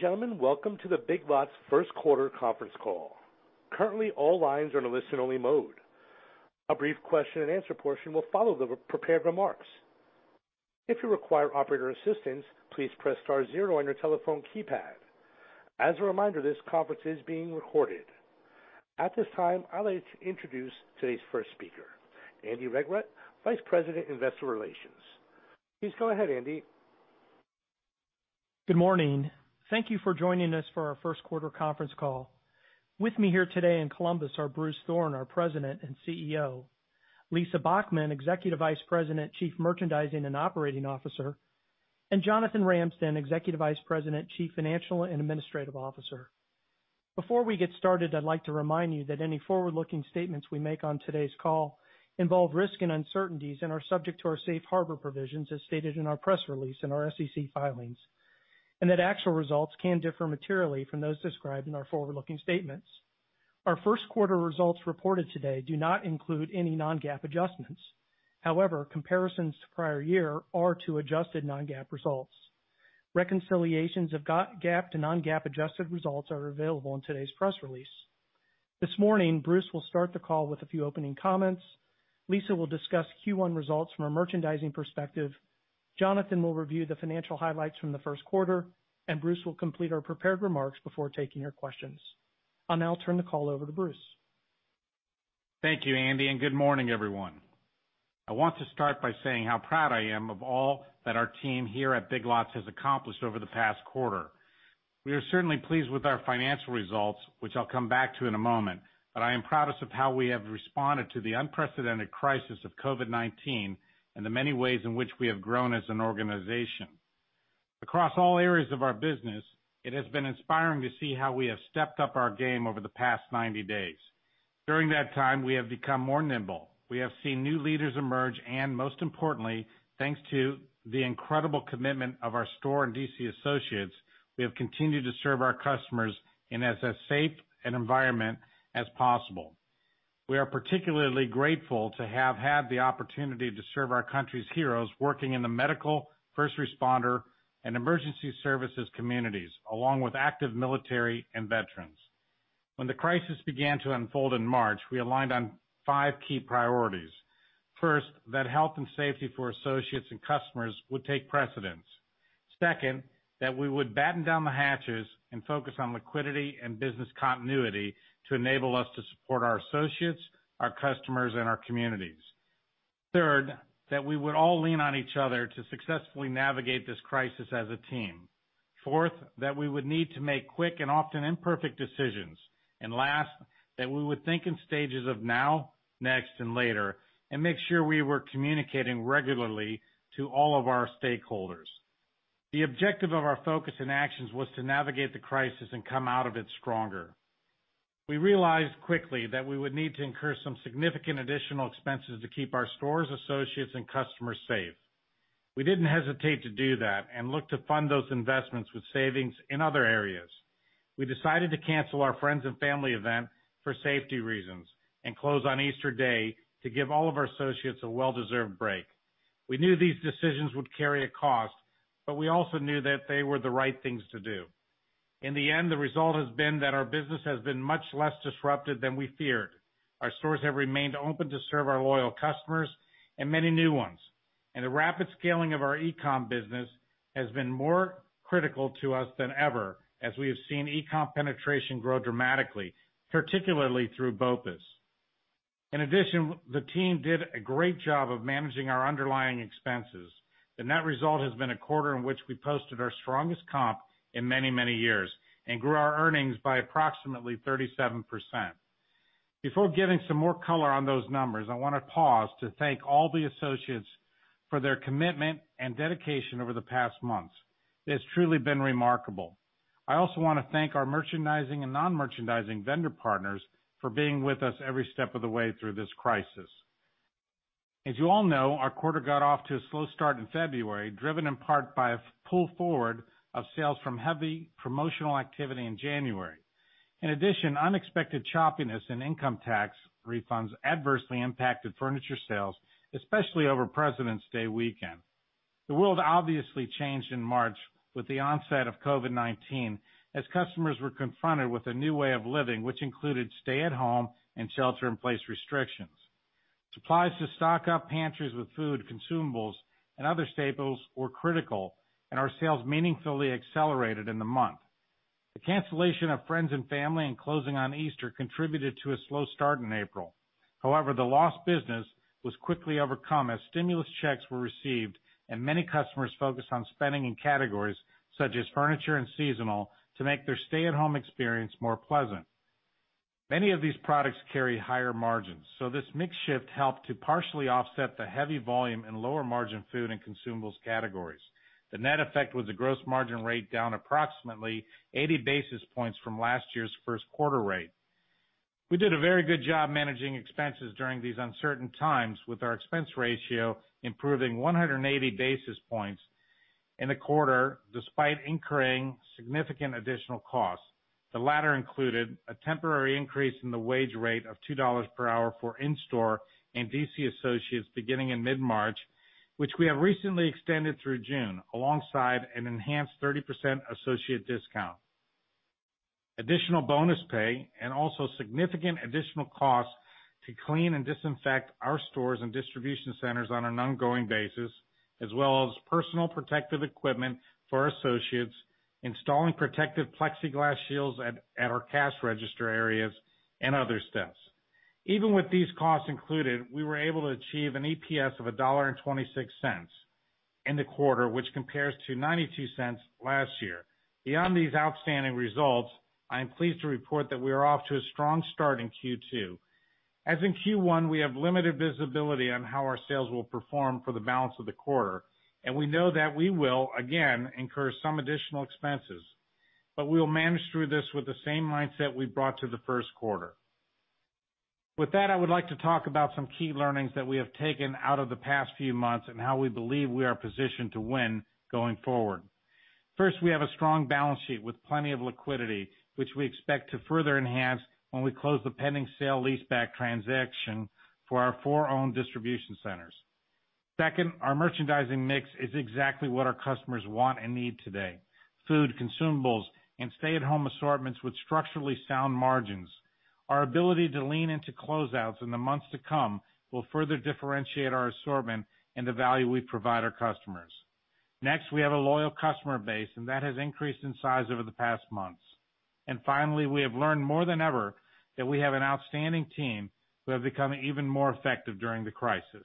Ladies and gentlemen, welcome to the Big Lots first quarter conference call. Currently, all lines are in a listen-only mode. A brief question and answer portion will follow the prepared remarks. If you require operator assistance, please press star zero on your telephone keypad. As a reminder, this conference is being recorded. At this time, I'd like to introduce today's first speaker, Andy Regrut, Vice President, Investor Relations. Please go ahead, Andy. Good morning. Thank you for joining us for our first quarter conference call. With me here today in Columbus are Bruce Thorn, our President and CEO, Lisa Bachmann, Executive Vice President, Chief Merchandising and Operating Officer, and Jonathan Ramsden, Executive Vice President, Chief Financial and Administrative Officer. Before we get started, I'd like to remind you that any forward-looking statements we make on today's call involve risk and uncertainties and are subject to our safe harbor provisions as stated in our press release and our SEC filings, and that actual results can differ materially from those described in our forward-looking statements. Our first quarter results reported today do not include any non-GAAP adjustments. However, comparisons to prior year are to adjusted non-GAAP results. Reconciliations of GAAP to non-GAAP adjusted results are available in today's press release. This morning, Bruce will start the call with a few opening comments. Lisa will discuss Q1 results from a merchandising perspective, Jonathan will review the financial highlights from the first quarter, and Bruce will complete our prepared remarks before taking your questions. I'll now turn the call over to Bruce. Thank you, Andy, and good morning, everyone. I want to start by saying how proud I am of all that our team here at Big Lots has accomplished over the past quarter. We are certainly pleased with our financial results, which I'll come back to in a moment, but I am proudest of how we have responded to the unprecedented crisis of COVID-19 and the many ways in which we have grown as an organization. Across all areas of our business, it has been inspiring to see how we have stepped up our game over the past 90 days. During that time, we have become more nimble. We have seen new leaders emerge, and most importantly, thanks to the incredible commitment of our store and DC associates, we have continued to serve our customers in as a safe an environment as possible. We are particularly grateful to have had the opportunity to serve our country's heroes working in the medical, first responder, and emergency services communities, along with active military and veterans. When the crisis began to unfold in March, we aligned on five key priorities. First, that health and safety for associates and customers would take precedence. Second, that we would batten down the hatches and focus on liquidity and business continuity to enable us to support our associates, our customers, and our communities. Third, that we would all lean on each other to successfully navigate this crisis as a team. Fourth, that we would need to make quick and often imperfect decisions, and last, that we would think in stages of now, next, and later and make sure we were communicating regularly to all of our stakeholders. The objective of our focus and actions was to navigate the crisis and come out of it stronger. We realized quickly that we would need to incur some significant additional expenses to keep our stores, associates, and customers safe. We didn't hesitate to do that and looked to fund those investments with savings in other areas. We decided to cancel our friends and family event for safety reasons and close on Easter day to give all of our associates a well-deserved break. We knew these decisions would carry a cost but we also knew that they were the right things to do. In the end, the result has been that our business has been much less disrupted than we feared. Our stores have remained open to serve our loyal customers and many new ones. The rapid scaling of our e-com business has been more critical to us than ever as we have seen e-com penetration grow dramatically, particularly through BOPUS. The team did a great job of managing our underlying expenses. The net result has been a quarter in which we posted our strongest comp in many, many years and grew our earnings by approximately 37%. Before giving some more color on those numbers, I want to pause to thank all the associates for their commitment and dedication over the past months. It has truly been remarkable. I also want to thank our merchandising and non-merchandising vendor partners for being with us every step of the way through this crisis. As you all know, our quarter got off to a slow start in February, driven in part by a pull forward of sales from heavy promotional activity in January. In addition, unexpected choppiness in income tax refunds adversely impacted furniture sales, especially over President's Day weekend. The world obviously changed in March with the onset of COVID-19, as customers were confronted with a new way of living, which included stay-at-home and shelter-in-place restrictions. Supplies to stock up pantries with food, consumables, and other staples were critical, and our sales meaningfully accelerated in the month. The cancellation of friends and family and closing on Easter contributed to a slow start in April. However, the lost business was quickly overcome as stimulus checks were received and many customers focused on spending in categories such as furniture and seasonal to make their stay-at-home experience more pleasant. Many of these products carry higher margins, so this mix shift helped to partially offset the heavy volume and lower-margin food and consumables categories. The net effect was a gross margin rate down approximately 80 basis points from last year's first quarter rate. We did a very good job managing expenses during these uncertain times with our expense ratio improving 180 basis points in the quarter despite incurring significant additional costs. The latter included a temporary increase in the wage rate of $2 per hour for in-store and D.C. associates beginning in mid-March, which we have recently extended through June, alongside an enhanced 30% associate discount, additional bonus pay, and also significant additional costs to clean and disinfect our stores and distribution centers on an ongoing basis, as well as personal protective equipment for associates, installing protective plexiglass shields at our cash register areas, and other steps. Even with these costs included, we were able to achieve an EPS of $1.26 in the quarter, which compares to $0.92 last year. Beyond these outstanding results, I am pleased to report that we are off to a strong start in Q2. As in Q1, we have limited visibility on how our sales will perform for the balance of the quarter, and we know that we will, again, incur some additional expenses. We'll manage through this with the same mindset we brought to the first quarter. With that, I would like to talk about some key learnings that we have taken out of the past few months and how we believe we are positioned to win going forward. First, we have a strong balance sheet with plenty of liquidity, which we expect to further enhance when we close the pending sale leaseback transaction for our four owned distribution centers. Our merchandising mix is exactly what our customers want and need today, food, consumables, and stay-at-home assortments with structurally sound margins. Our ability to lean into closeouts in the months to come will further differentiate our assortment and the value we provide our customers. Next, we have a loyal customer base, and that has increased in size over the past months. Finally, we have learned more than ever that we have an outstanding team who have become even more effective during the crisis.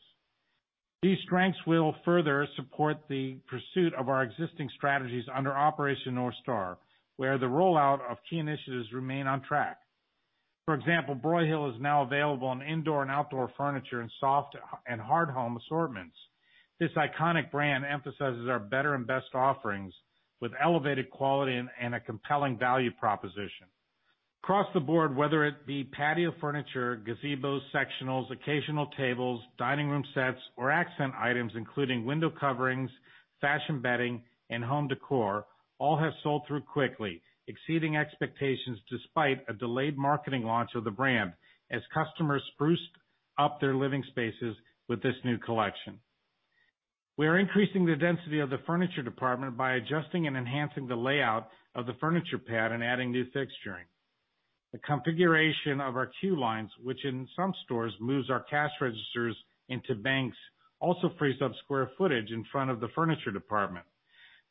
These strengths will further support the pursuit of our existing strategies under Operation North Star, where the rollout of key initiatives remain on track. For example, Broyhill is now available in indoor and outdoor furniture and soft and hard home assortments. This iconic brand emphasizes our better and best offerings with elevated quality and a compelling value proposition. Across the board, whether it be patio furniture, gazebos, sectionals, occasional tables, dining room sets, or accent items, including window coverings, fashion bedding, and home decor, all have sold through quickly, exceeding expectations despite a delayed marketing launch of the brand as customers spruced up their living spaces with this new collection. We are increasing the density of the furniture department by adjusting and enhancing the layout of the furniture pad and adding new fixturing. The configuration of our Queue Line, which in some stores moves our cash registers into banks, also frees up square footage in front of the furniture department.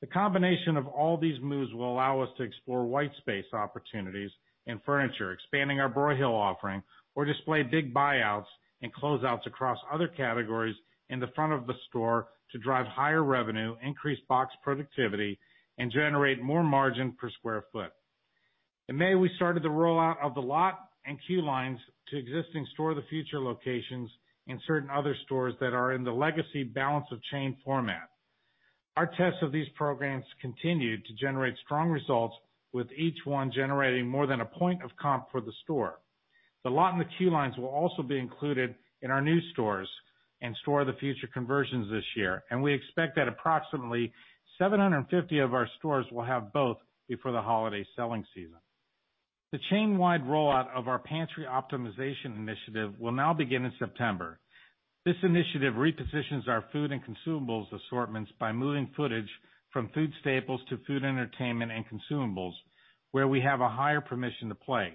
The combination of all these moves will allow us to explore white space opportunities in furniture, expanding our Broyhill offering, or display big buyouts and closeouts across other categories in the front of the store to drive higher revenue, increase box productivity, and generate more margin per square foot. In May, we started the rollout of The Lot and Queue Line to existing Store of the Future locations and certain other stores that are in the legacy balance of chain format. Our tests of these programs continue to generate strong results, with each one generating more than a point of comp for the store. The Lot and the Queue Line will also be included in our new stores and Store of the Future conversions this year, and we expect that approximately 750 of our stores will have both before the holiday selling season. The chain-wide rollout of our Pantry Optimization initiative will now begin in September. This initiative repositions our food and consumables assortments by moving footage from food staples to food entertainment and consumables, where we have a higher permission to play.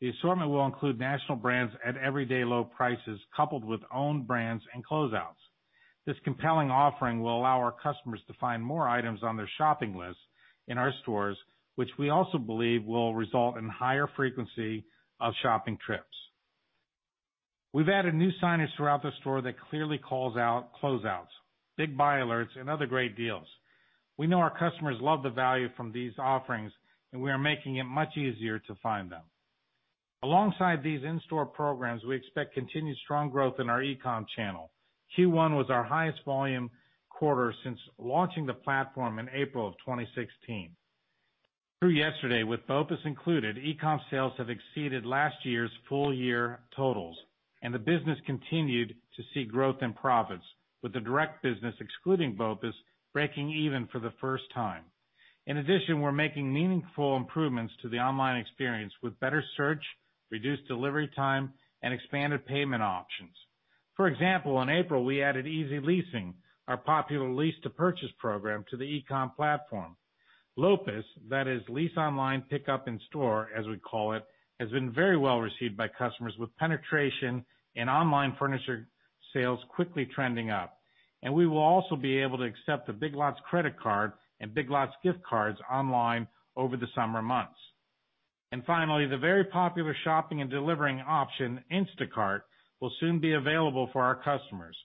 The assortment will include national brands at everyday low prices, coupled with own brands and closeouts. This compelling offering will allow our customers to find more items on their shopping list in our stores, which we also believe will result in higher frequency of shopping trips. We've added new signage throughout the store that clearly calls out closeouts, big buy alerts, and other great deals. We know our customers love the value from these offerings, and we are making it much easier to find them. Alongside these in-store programs, we expect continued strong growth in our e-com channel. Q1 was our highest volume quarter since launching the platform in April of 2016. Through yesterday, with BOPUS included, e-com sales have exceeded last year's full year totals, and the business continued to see growth in profits, with the direct business, excluding BOPUS, breaking even for the first time. In addition, we're making meaningful improvements to the online experience with better search, reduced delivery time, and expanded payment options. For example, in April, we added Easy Leasing, our popular lease-to-purchase program, to the e-com platform. LOPUS, that is Lease Online Pickup In Store, as we call it, has been very well received by customers with penetration in online furniture sales quickly trending up. We will also be able to accept the Big Lots credit card and Big Lots gift cards online over the summer months. Finally, the very popular shopping and delivering option, Instacart, will soon be available for our customers.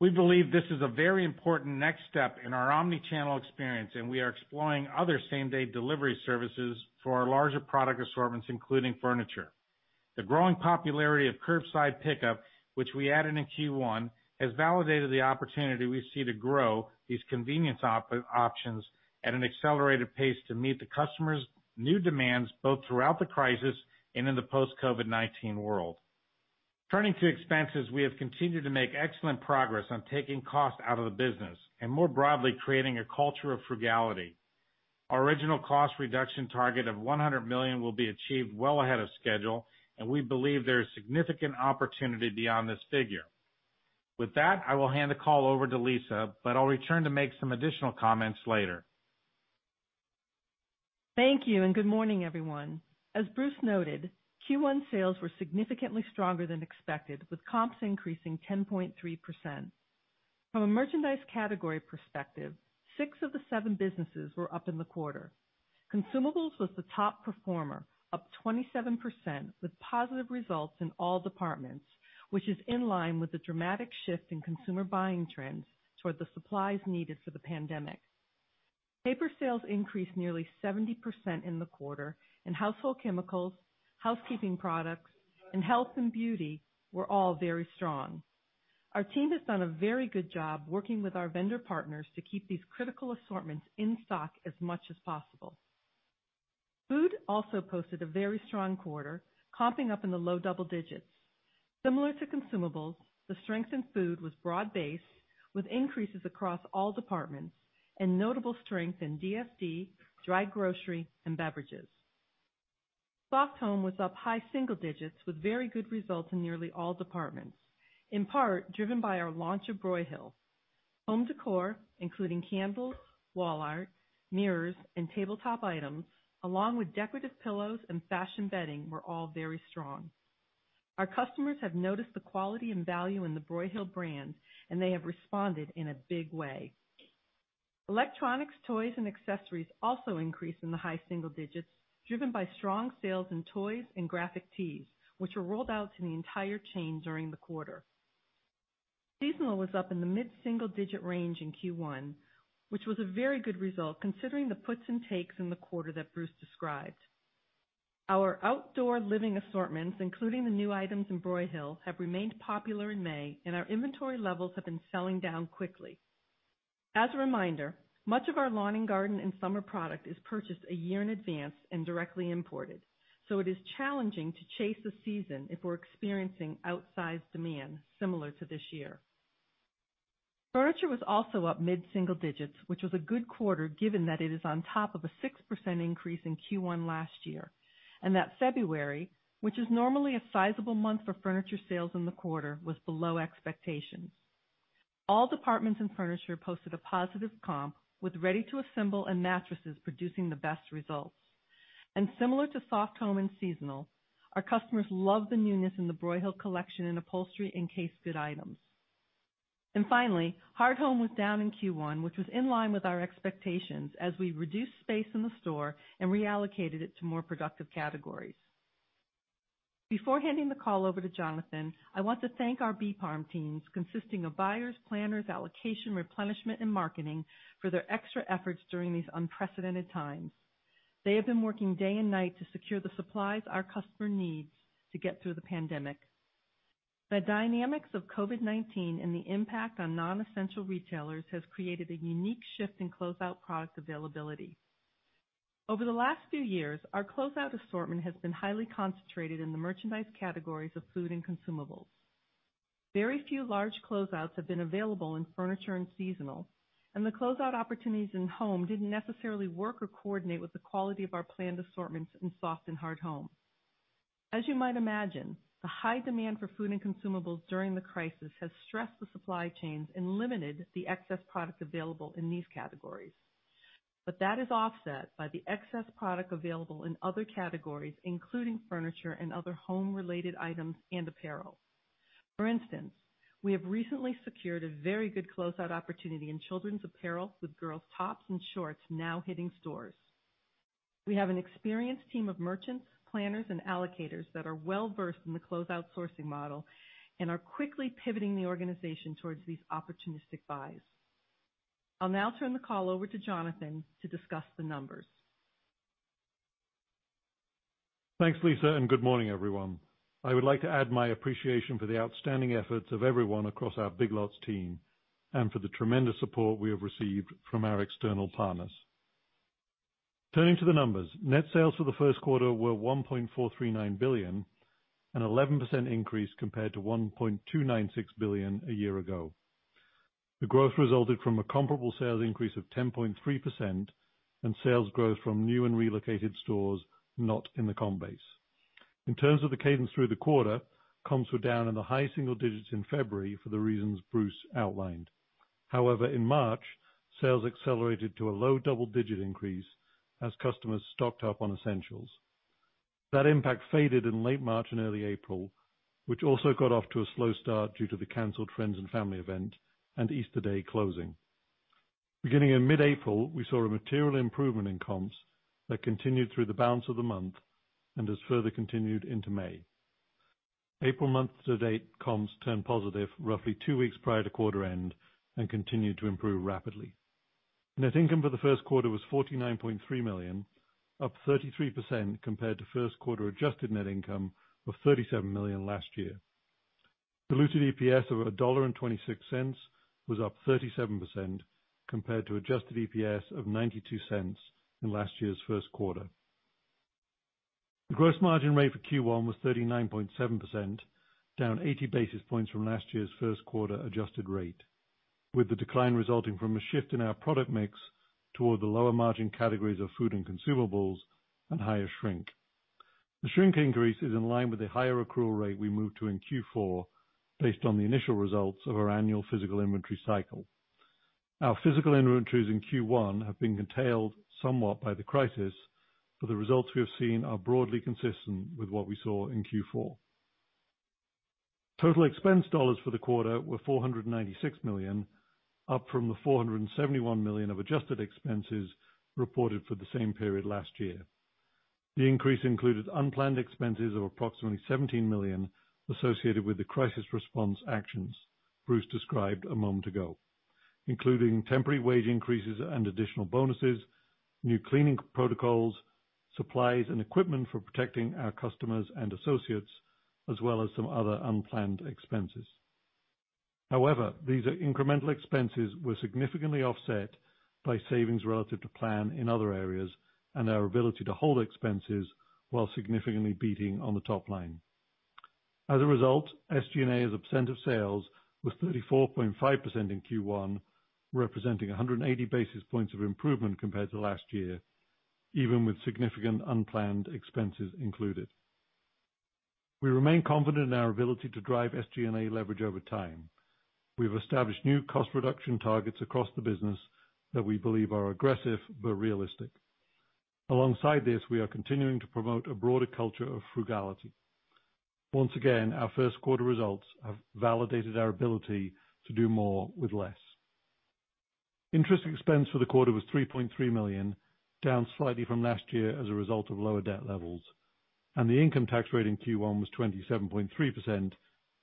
We believe this is a very important next step in our omni-channel experience, and we are exploring other same-day delivery services for our larger product assortments, including furniture. The growing popularity of curbside pickup, which we added in Q1, has validated the opportunity we see to grow these convenience options at an accelerated pace to meet the customers' new demands, both throughout the crisis and in the post-COVID-19 world. Turning to expenses, we have continued to make excellent progress on taking cost out of the business and more broadly, creating a culture of frugality. Our original cost reduction target of $100 million will be achieved well ahead of schedule and we believe there is significant opportunity beyond this figure. With that, I will hand the call over to Lisa, but I'll return to make some additional comments later. Thank you and good morning, everyone. As Bruce noted, Q1 sales were significantly stronger than expected, with comps increasing 10.3%. From a merchandise category perspective, six of the seven businesses were up in the quarter. Consumables was the top performer, up 27%, with positive results in all departments, which is in line with the dramatic shift in consumer buying trends towards the supplies needed for the pandemic. Paper sales increased nearly 70% in the quarter, and household chemicals, housekeeping products, and health and beauty were all very strong. Our team has done a very good job working with our vendor partners to keep these critical assortments in stock as much as possible. Food also posted a very strong quarter, comping up in the low double digits. Similar to consumables, the strength in food was broad-based with increases across all departments and notable strength in DSD, dry grocery, and beverages. Soft home was up high single digits with very good results in nearly all departments, in part driven by our launch of Broyhill. Home decor, including candles, wall art, mirrors, and tabletop items, along with decorative pillows and fashion bedding, were all very strong. Our customers have noticed the quality and value in the Broyhill brand and they have responded in a big way. Electronics, toys, and accessories also increased in the high single digits, driven by strong sales in toys and graphic tees, which were rolled out to the entire chain during the quarter. Seasonal was up in the mid-single digit range in Q1, which was a very good result considering the puts and takes in the quarter that Bruce described. Our outdoor living assortments, including the new items in Broyhill, have remained popular in May, and our inventory levels have been selling down quickly. As a reminder, much of our lawn and garden and summer product is purchased a year in advance and directly imported, so it is challenging to chase the season if we're experiencing outsized demand similar to this year. Furniture was also up mid-single digits, which was a good quarter given that it is on top of a 6% increase in Q1 last year, and that February, which is normally a sizable month for furniture sales in the quarter, was below expectations. All departments in furniture posted a positive comp with ready-to-assemble and mattresses producing the best results. Similar to soft home and seasonal, our customers love the newness in the Broyhill collection in upholstery and case good items. Finally, hard home was down in Q1, which was in line with our expectations as we reduced space in the store and reallocated it to more productive categories. Before handing the call over to Jonathan, I want to thank our BPARM teams, consisting of buyers, planners, allocation, replenishment, and marketing for their extra efforts during these unprecedented times. They have been working day and night to secure the supplies our customer needs to get through the pandemic. The dynamics of COVID-19 and the impact on non-essential retailers has created a unique shift in closeout product availability. Over the last few years, our closeout assortment has been highly concentrated in the merchandise categories of food and consumables. Very few large closeouts have been available in furniture and seasonal, and the closeout opportunities in-home didn't necessarily work or coordinate with the quality of our planned assortments in soft and hard home. As you might imagine, the high demand for food and consumables during the crisis has stressed the supply chains and limited the excess products available in these categories. That is offset by the excess product available in other categories, including furniture and other home-related items and apparel. For instance, we have recently secured a very good closeout opportunity in children's apparel with girls' tops and shorts now hitting stores. We have an experienced team of merchants, planners, and allocators that are well-versed in the closeout sourcing model and are quickly pivoting the organization towards these opportunistic buys. I'll now turn the call over to Jonathan to discuss the numbers. Thanks, Lisa, and good morning, everyone. I would like to add my appreciation for the outstanding efforts of everyone across our Big Lots team and for the tremendous support we have received from our external partners. Turning to the numbers, net sales for the first quarter were $1.439 billion, an 11% increase compared to $1.296 billion a year ago. The growth resulted from a comparable sales increase of 10.3% and sales growth from new and relocated stores not in the comp base. In terms of the cadence through the quarter, comps were down in the high single digits in February for the reasons Bruce outlined. However, in March, sales accelerated to a low double-digit increase as customers stocked up on essentials. That impact faded in late March and early April, which also got off to a slow start due to the canceled Friends and Family event and Easter Day closing. Beginning in mid-April, we saw a material improvement in comps that continued through the balance of the month and has further continued into May. April month-to-date comps turned positive roughly two weeks prior to quarter end and continued to improve rapidly. Net income for the first quarter was $49.3 million, up 33% compared to first quarter adjusted net income of $37 million last year. Diluted EPS of $1.26 was up 37%, compared to adjusted EPS of $0.92 in last year's first quarter. The gross margin rate for Q1 was 39.7%, down 80 basis points from last year's first quarter adjusted rate, with the decline resulting from a shift in our product mix toward the lower margin categories of food and consumables and higher shrink. The shrink increase is in line with the higher accrual rate we moved to in Q4 based on the initial results of our annual physical inventory cycle. Our physical inventories in Q1 have been curtailed somewhat by the crisis, but the results we have seen are broadly consistent with what we saw in Q4. Total expense dollars for the quarter were $496 million, up from the $471 million of adjusted expenses reported for the same period last year. The increase included unplanned expenses of approximately $17 million associated with the crisis response actions Bruce described a moment ago, including temporary wage increases and additional bonuses, new cleaning protocols, supplies and equipment for protecting our customers and associates, as well as some other unplanned expenses. However, these incremental expenses were significantly offset by savings relative to plan in other areas and our ability to hold expenses while significantly beating on the top line. As a result, SG&A as a percent of sales was 34.5% in Q1, representing 180 basis points of improvement compared to last year, even with significant unplanned expenses included. We remain confident in our ability to drive SG&A leverage over time. We have established new cost reduction targets across the business that we believe are aggressive but realistic. Alongside this, we are continuing to promote a broader culture of frugality. Once again, our first quarter results have validated our ability to do more with less. Interest expense for the quarter was $3.3 million, down slightly from last year as a result of lower debt levels, and the income tax rate in Q1 was 27.3%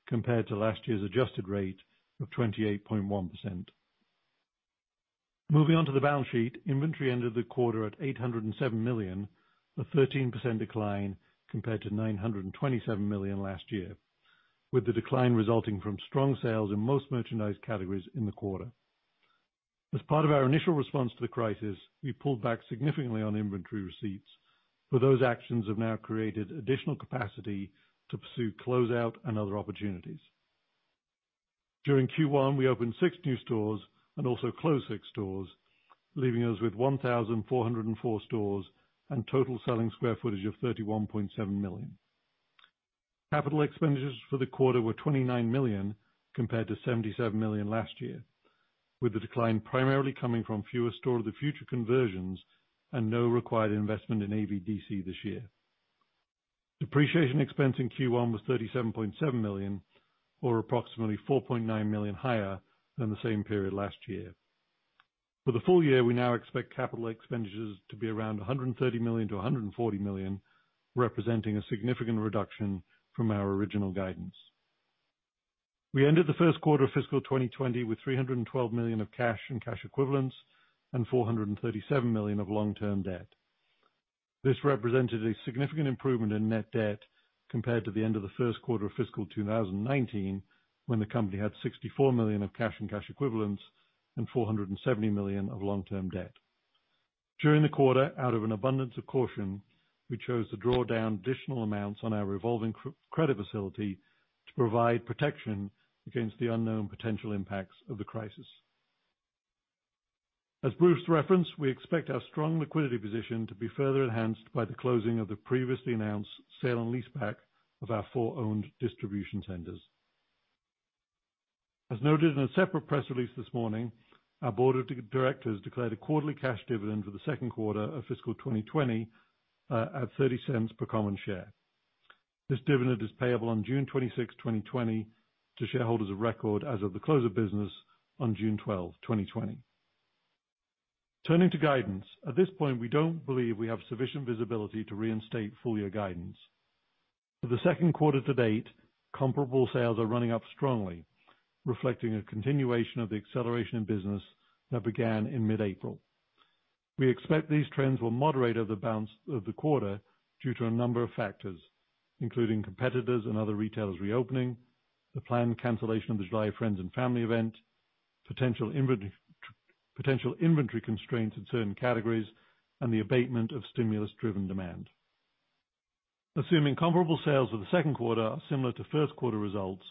compared to last year's adjusted rate of 28.1%. Moving on to the balance sheet, inventory ended the quarter at $807 million, a 13% decline compared to $927 million last year, with the decline resulting from strong sales in most merchandise categories in the quarter. As part of our initial response to the crisis, we pulled back significantly on inventory receipts, but those actions have now created additional capacity to pursue closeout and other opportunities. During Q1, we opened six new stores and also closed six stores, leaving us with 1,404 stores and total selling square footage of 31.7 million. Capital expenditures for the quarter were $29 million, compared to $77 million last year, with the decline primarily coming from fewer Store of the Future conversions and no required investment in AVDC this year. Depreciation expense in Q1 was $37.7 million or approximately $4.9 million higher than the same period last year. For the full-year, we now expect capital expenditures to be around $130 million to $140 million, representing a significant reduction from our original guidance. We ended the first quarter of fiscal 2020 with $312 million of cash and cash equivalents and $437 million of long-term debt. This represented a significant improvement in net debt compared to the end of the first quarter of fiscal 2019, when the company had $64 million of cash and cash equivalents and $470 million of long-term debt. During the quarter, out of an abundance of caution, we chose to draw down additional amounts on our revolving credit facility to provide protection against the unknown potential impacts of the crisis. As Bruce referenced, we expect our strong liquidity position to be further enhanced by the closing of the previously announced sale and leaseback of our four owned distribution centers. As noted on a separate press release this morning, our board of directors declared a quarterly cash dividend for the second quarter of fiscal 2020 at $0.30 per common share. This dividend is payable on June 26th, 2020 to shareholders of record as of the close of business on June 12th, 2020. Turning to guidance, at this point, we don't believe we have sufficient visibility to reinstate full-year guidance. For the second quarter to date, comparable sales are running up strongly, reflecting a continuation of the acceleration in business that began in mid-April. We expect these trends will moderate over the quarter due to a number of factors, including competitors and other retailers reopening, the planned cancellation of the July Friends and Family event, potential inventory constraints in certain categories, and the abatement of stimulus-driven demand. Assuming comparable sales for the second quarter are similar to first quarter results,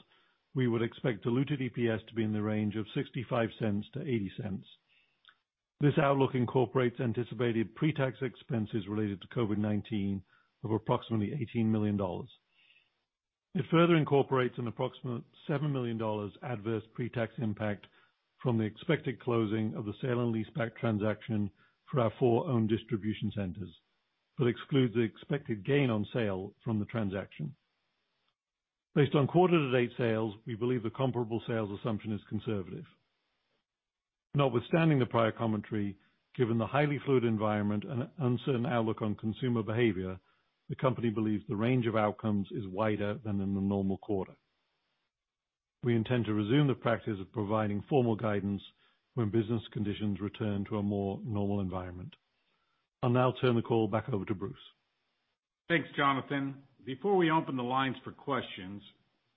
we would expect diluted EPS to be in the range of $0.65 to $0.80. This outlook incorporates anticipated pre-tax expenses related to COVID-19 of approximately $18 million. It further incorporates an approximate $7 million adverse pre-tax impact from the expected closing of the sale and leaseback transaction for our four owned distribution centers but excludes the expected gain on sale from the transaction. Based on quarter-to-date sales, we believe the comparable sales assumption is conservative. Notwithstanding the prior commentary, given the highly fluid environment and uncertain outlook on consumer behavior, the company believes the range of outcomes is wider than in a normal quarter. We intend to resume the practice of providing formal guidance when business conditions return to a more normal environment. I'll now turn the call back over to Bruce. Thanks, Jonathan. Before we open the lines for questions,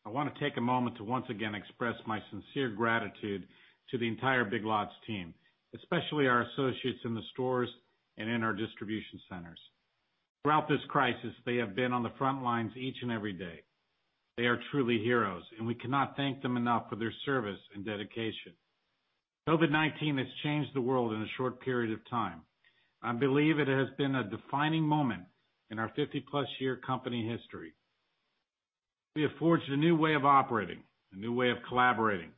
I want to take a moment to once again express my sincere gratitude to the entire Big Lots team, especially our associates in the stores and in our distribution centers. Throughout this crisis, they have been on the front lines each and every day. They are truly heroes, and we cannot thank them enough for their service and dedication. COVID-19 has changed the world in a short period of time and I believe it has been a defining moment in our 50+ year company history. We have forged a new way of operating, a new way of collaborating,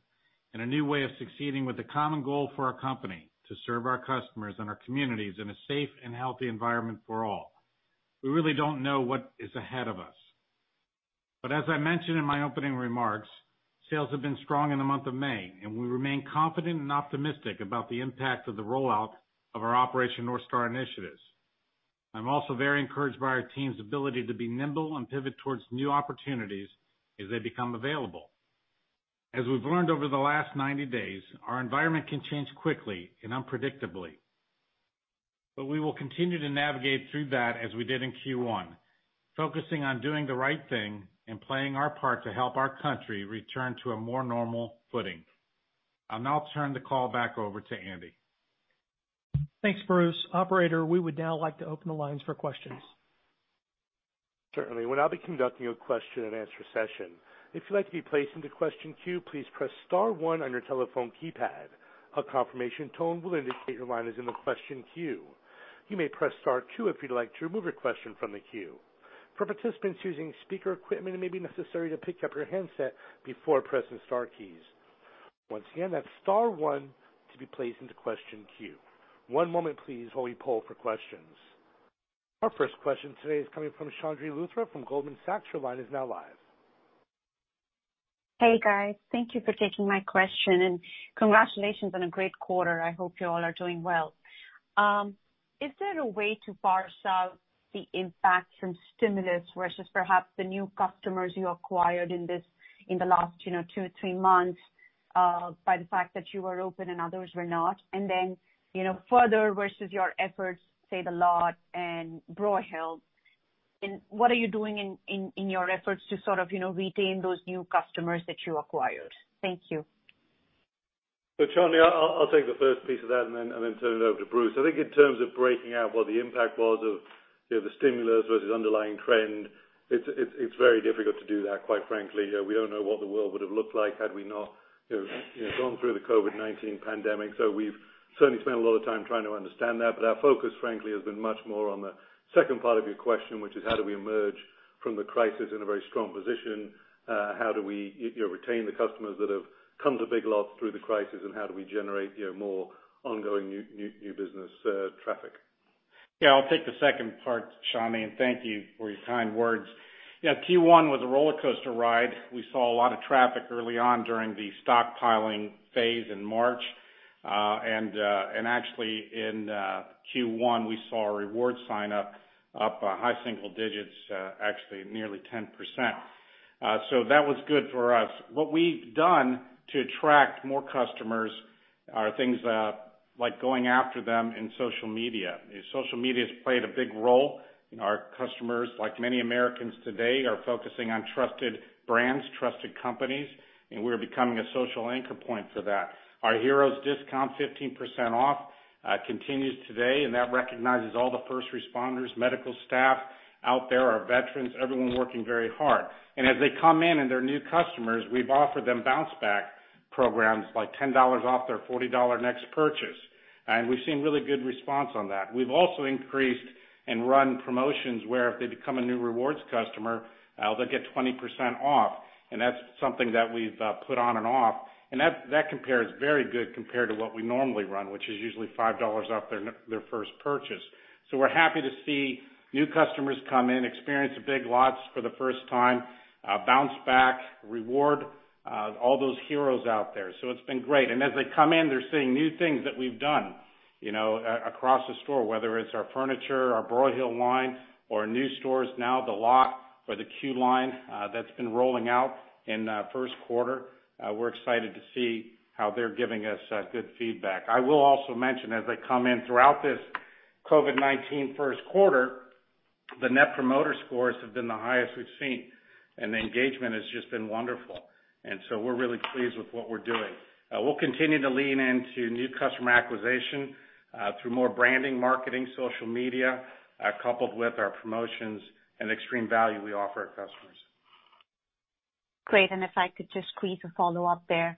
and a new way of succeeding with a common goal for our company to serve our customers and our communities in a safe and healthy environment for all. We really don't know what is ahead of us. As I mentioned in my opening remarks, sales have been strong in the month of May and we remain confident and optimistic about the impact of the rollout of our Operation North Star initiatives. I'm also very encouraged by our team's ability to be nimble and pivot towards new opportunities as they become available. As we've learned over the last 90 days, our environment can change quickly and unpredictably. We will continue to navigate through that as we did in Q1, focusing on doing the right thing and playing our part to help our country return to a more normal footing. I'll now turn the call back over to Andy. Thanks, Bruce. Operator, we would now like to open the lines for questions. Certainly. We'll now be conducting a question and answer session. If you'd like to be placed into question queue, please press star one on your telephone keypad. A confirmation tone will indicate your line is in the question queue. You may press star two if you'd like to remove your question from the queue. For participants using speaker equipment, it may be necessary to pick up your handset before pressing star keys. Once again, that's star one to be placed into question queue. One moment, please, while we poll for questions. Our first question today is coming from Chandni Luthra from Goldman Sachs. Your line is now live. Hey, guys. Thank you for taking my question and congratulations on a great quarter. I hope you all are doing well. Is there a way to parse out the impact from stimulus versus perhaps the new customers you acquired in the last two, three months, by the fact that you were open and others were not? Then, further versus your efforts, say, The Lot and Broyhill. What are you doing in your efforts to sort of retain those new customers that you acquired? Thank you. Chandni, I'll take the first piece of that and then turn it over to Bruce. I think in terms of breaking out what the impact was of the stimulus versus underlying trend, it's very difficult to do that, quite frankly. We don't know what the world would have looked like had we not gone through the COVID-19 pandemic. We've certainly spent a lot of time trying to understand that, but our focus, frankly, has been much more on the second part of your question, which is how do we emerge from the crisis in a very strong position? How do we, you know, retain the customers that have come to Big Lots through the crisis, and how do we generate more ongoing new business traffic? I'll take the second part, Chandni, thank you for your kind words. Q1 was a roller coaster ride. We saw a lot of traffic early on during the stockpiling phase in March. Actually in Q1, we saw a reward sign up high single digits, actually nearly 10%, so that was good for us. What we've done to attract more customers are things like going after them in social media. Social media has played a big role and our customers, like many Americans today, are focusing on trusted brands, trusted companies, and we're becoming a social anchor point for that. Our heroes discount 15% off continues today, and that recognizes all the first responders, medical staff out there, our veterans, everyone working very hard. As they come in and they're new customers, we've offered them bounce back programs like $10 off their $40 next purchase. We've seen really good response on that. We've also increased and run promotions where if they become a new rewards customer, they'll get 20% off, and that's something that we've put on and off. That compares very good compared to what we normally run, which is usually $5 off their first purchase. We're happy to see new customers come in, experience Big Lots for the first time, bounce back, reward all those heroes out there. It's been great. As they come in, they're seeing new things that we've done across the store, whether it's our furniture, our Broyhill line, or our new stores, now The Lot or the Queue Line that's been rolling out in first quarter, we're excited to see how they're giving us good feedback. I will also mention, as they come in throughout this COVID-19 first quarter, the net promoter scores have been the highest we've seen, and the engagement has just been wonderful. We're really pleased with what we're doing. We'll continue to lean into new customer acquisition through more branding, marketing, social media, coupled with our promotions and extreme value we offer our customers. Great and if I could just squeeze a follow-up there.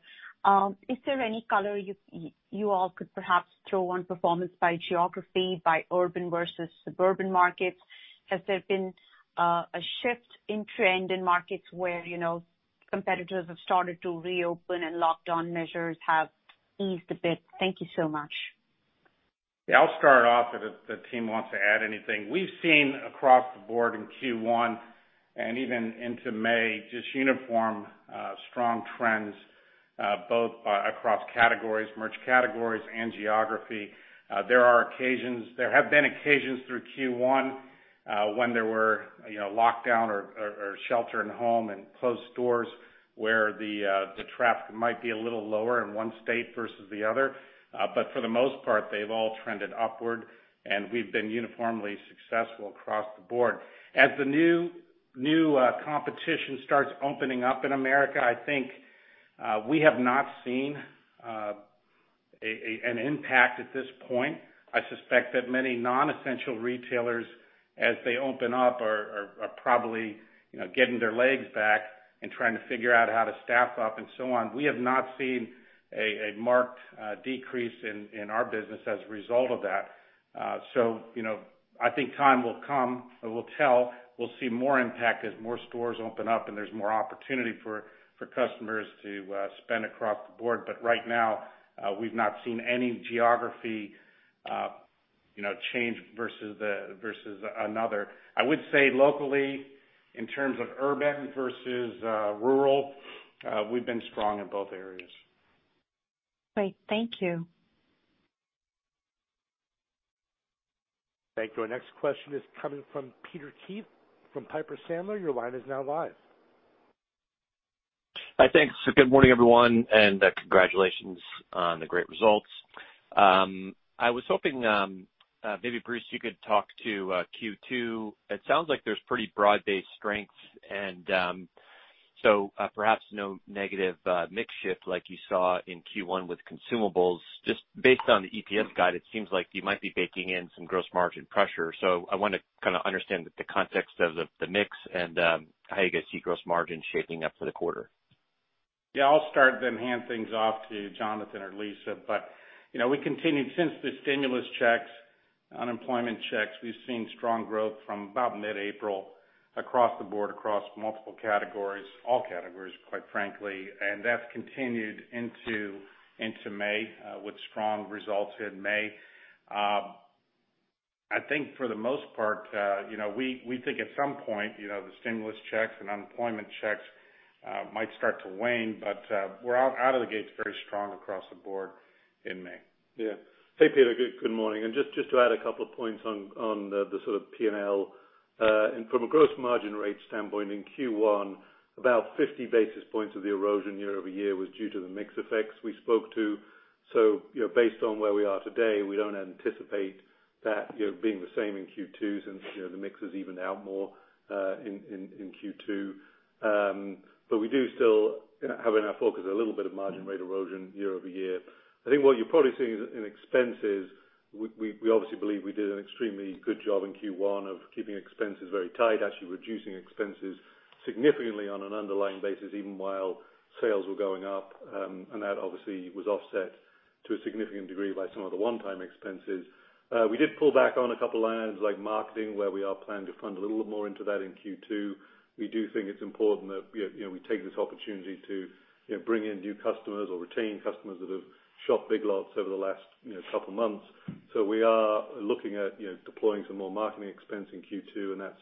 Is there any color you all could perhaps throw on performance by geography, by urban versus suburban markets? Has there been a shift in trend in markets where, you know, competitors have started to reopen and lockdown measures have eased a bit? Thank you so much. Yeah, I'll start off, if the team wants to add anything. We've seen across the board in Q1 and even into May, just uniform strong trends both across categories, merch categories and geography. There have been occasions through Q1 when there were lockdown or shelter in home and closed stores where the traffic might be a little lower in one state versus the other. For the most part, they've all trended upward and we've been uniformly successful across the board. As the new competition starts opening up in America, I think we have not seen an impact at this point. I suspect that many non-essential retailers, as they open up, are probably, you know, getting their legs back and trying to figure out how to staff up and so on. We have not seen a marked decrease in our business as a result of that. I think time will come and will tell. We'll see more impact as more stores open up and there's more opportunity for customers to spend across the board. Right now, we've not seen any geography change versus another. I would say locally, in terms of urban versus rural, we've been strong in both areas. Great, thank you. Thank you. Our next question is coming from Peter Keith from Piper Sandler. Your line is now live. Hi, thanks, so good morning, everyone. Congratulations on the great results. I was hoping, maybe Bruce, you could talk to Q2. It sounds like there's pretty broad-based strengths. Perhaps no negative mix shift like you saw in Q1 with consumables. Just based on the EPS guide, it seems like you might be baking in some gross margin pressure. I want to kind of understand the context of the mix and how you guys see gross margin shaping up for the quarter. Yeah, I'll start then hand things off to Jonathan or Lisa. We continued since the stimulus checks, unemployment checks, we've seen strong growth from about mid-April across the board, across multiple categories, all categories, quite frankly, and that's continued into May, with strong results in May. I think for the most part, you know, we think at some point, the stimulus checks and unemployment checks might start to wane, but we're out of the gates very strong across the board in May. Hey, Peter. Good morning, just to add a couple of points on the sort of P&L, and from a gross margin rate standpoint, in Q1, about 50 basis points of the erosion year-over-year was due to the mix effects we spoke to. Based on where we are today, we don't anticipate that, you know, being the same in Q2 since the mix is evened out more in Q2. We do still have in our focus a little bit of margin rate erosion year-over-year. I think what you're probably seeing in expenses, we obviously believe we did an extremely good job in Q1 of keeping expenses very tight, actually reducing expenses significantly on an underlying basis, even while sales were going up. That obviously was offset to a significant degree by some of the one-time expenses. We did pull back on a couple of line items like marketing, where we are planning to fund a little bit more into that in Q2. We do think it's important that we take this opportunity to bring in new customers or retain customers that have shopped Big Lots over the last couple of months. We are looking at deploying some more marketing expense in Q2. That's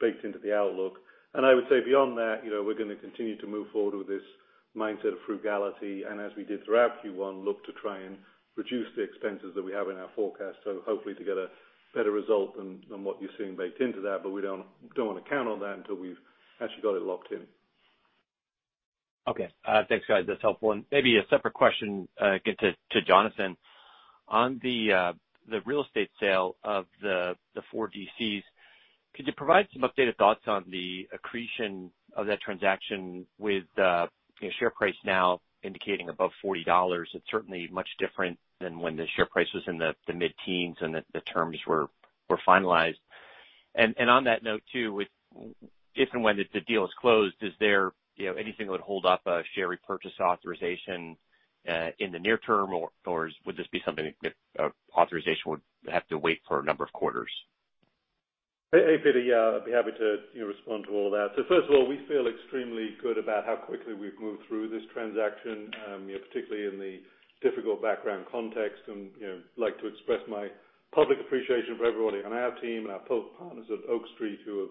baked into the outlook. I would say beyond that, we're going to continue to move forward with this mindset of frugality. As we did throughout Q1, look to try and reduce the expenses that we have in our forecast. Hopefully to get a better result than what you're seeing baked into that. We don't want to count on that until we've actually got it locked in. Okay. Thanks, guys. That's helpful, and maybe a separate question, again, to Jonathan. On the real estate sale of the four DCs, could you provide some updated thoughts on the accretion of that transaction with share price now indicating above $40? It's certainly much different than when the share price was in the mid-teens and the terms were finalized. On that note, too, if and when the deal is closed, is there anything that would hold up a share repurchase authorization in the near term, or would this be something that authorization would have to wait for a number of quarters? Hey, Peter. Yeah, I'd be happy to respond to all that. First of all, we feel extremely good about how quickly we've moved through this transaction, particularly in the difficult background context and like to express my public appreciation for everybody on our team and our partners at Oak Street who have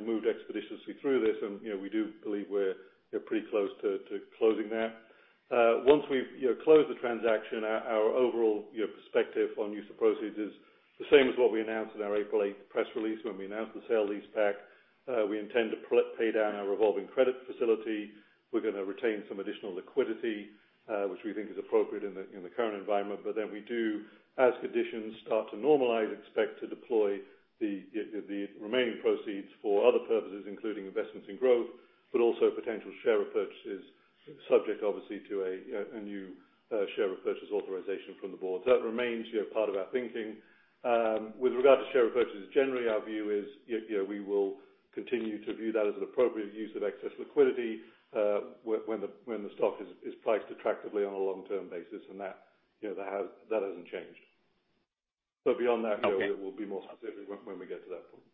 moved expeditiously through this, and we do believe we're pretty close to closing that. Once we've closed the transaction, our overall perspective on use of proceeds is the same as what we announced in our April 8th press release when we announced the sale-leaseback. We intend to pay down our revolving credit facility. We're going to retain some additional liquidity, which we think is appropriate in the current environment. We do, as conditions start to normalize, expect to deploy the remaining proceeds for other purposes, including investments in growth, but also potential share repurchases, subject obviously to a new share repurchase authorization from the board. That remains part of our thinking. With regard to share repurchases, generally our view is we will continue to view that as an appropriate use of excess liquidity, when the stock is priced attractively on a long-term basis, and that hasn't changed. Okay. Beyond that, we'll be more specific when we get to that point.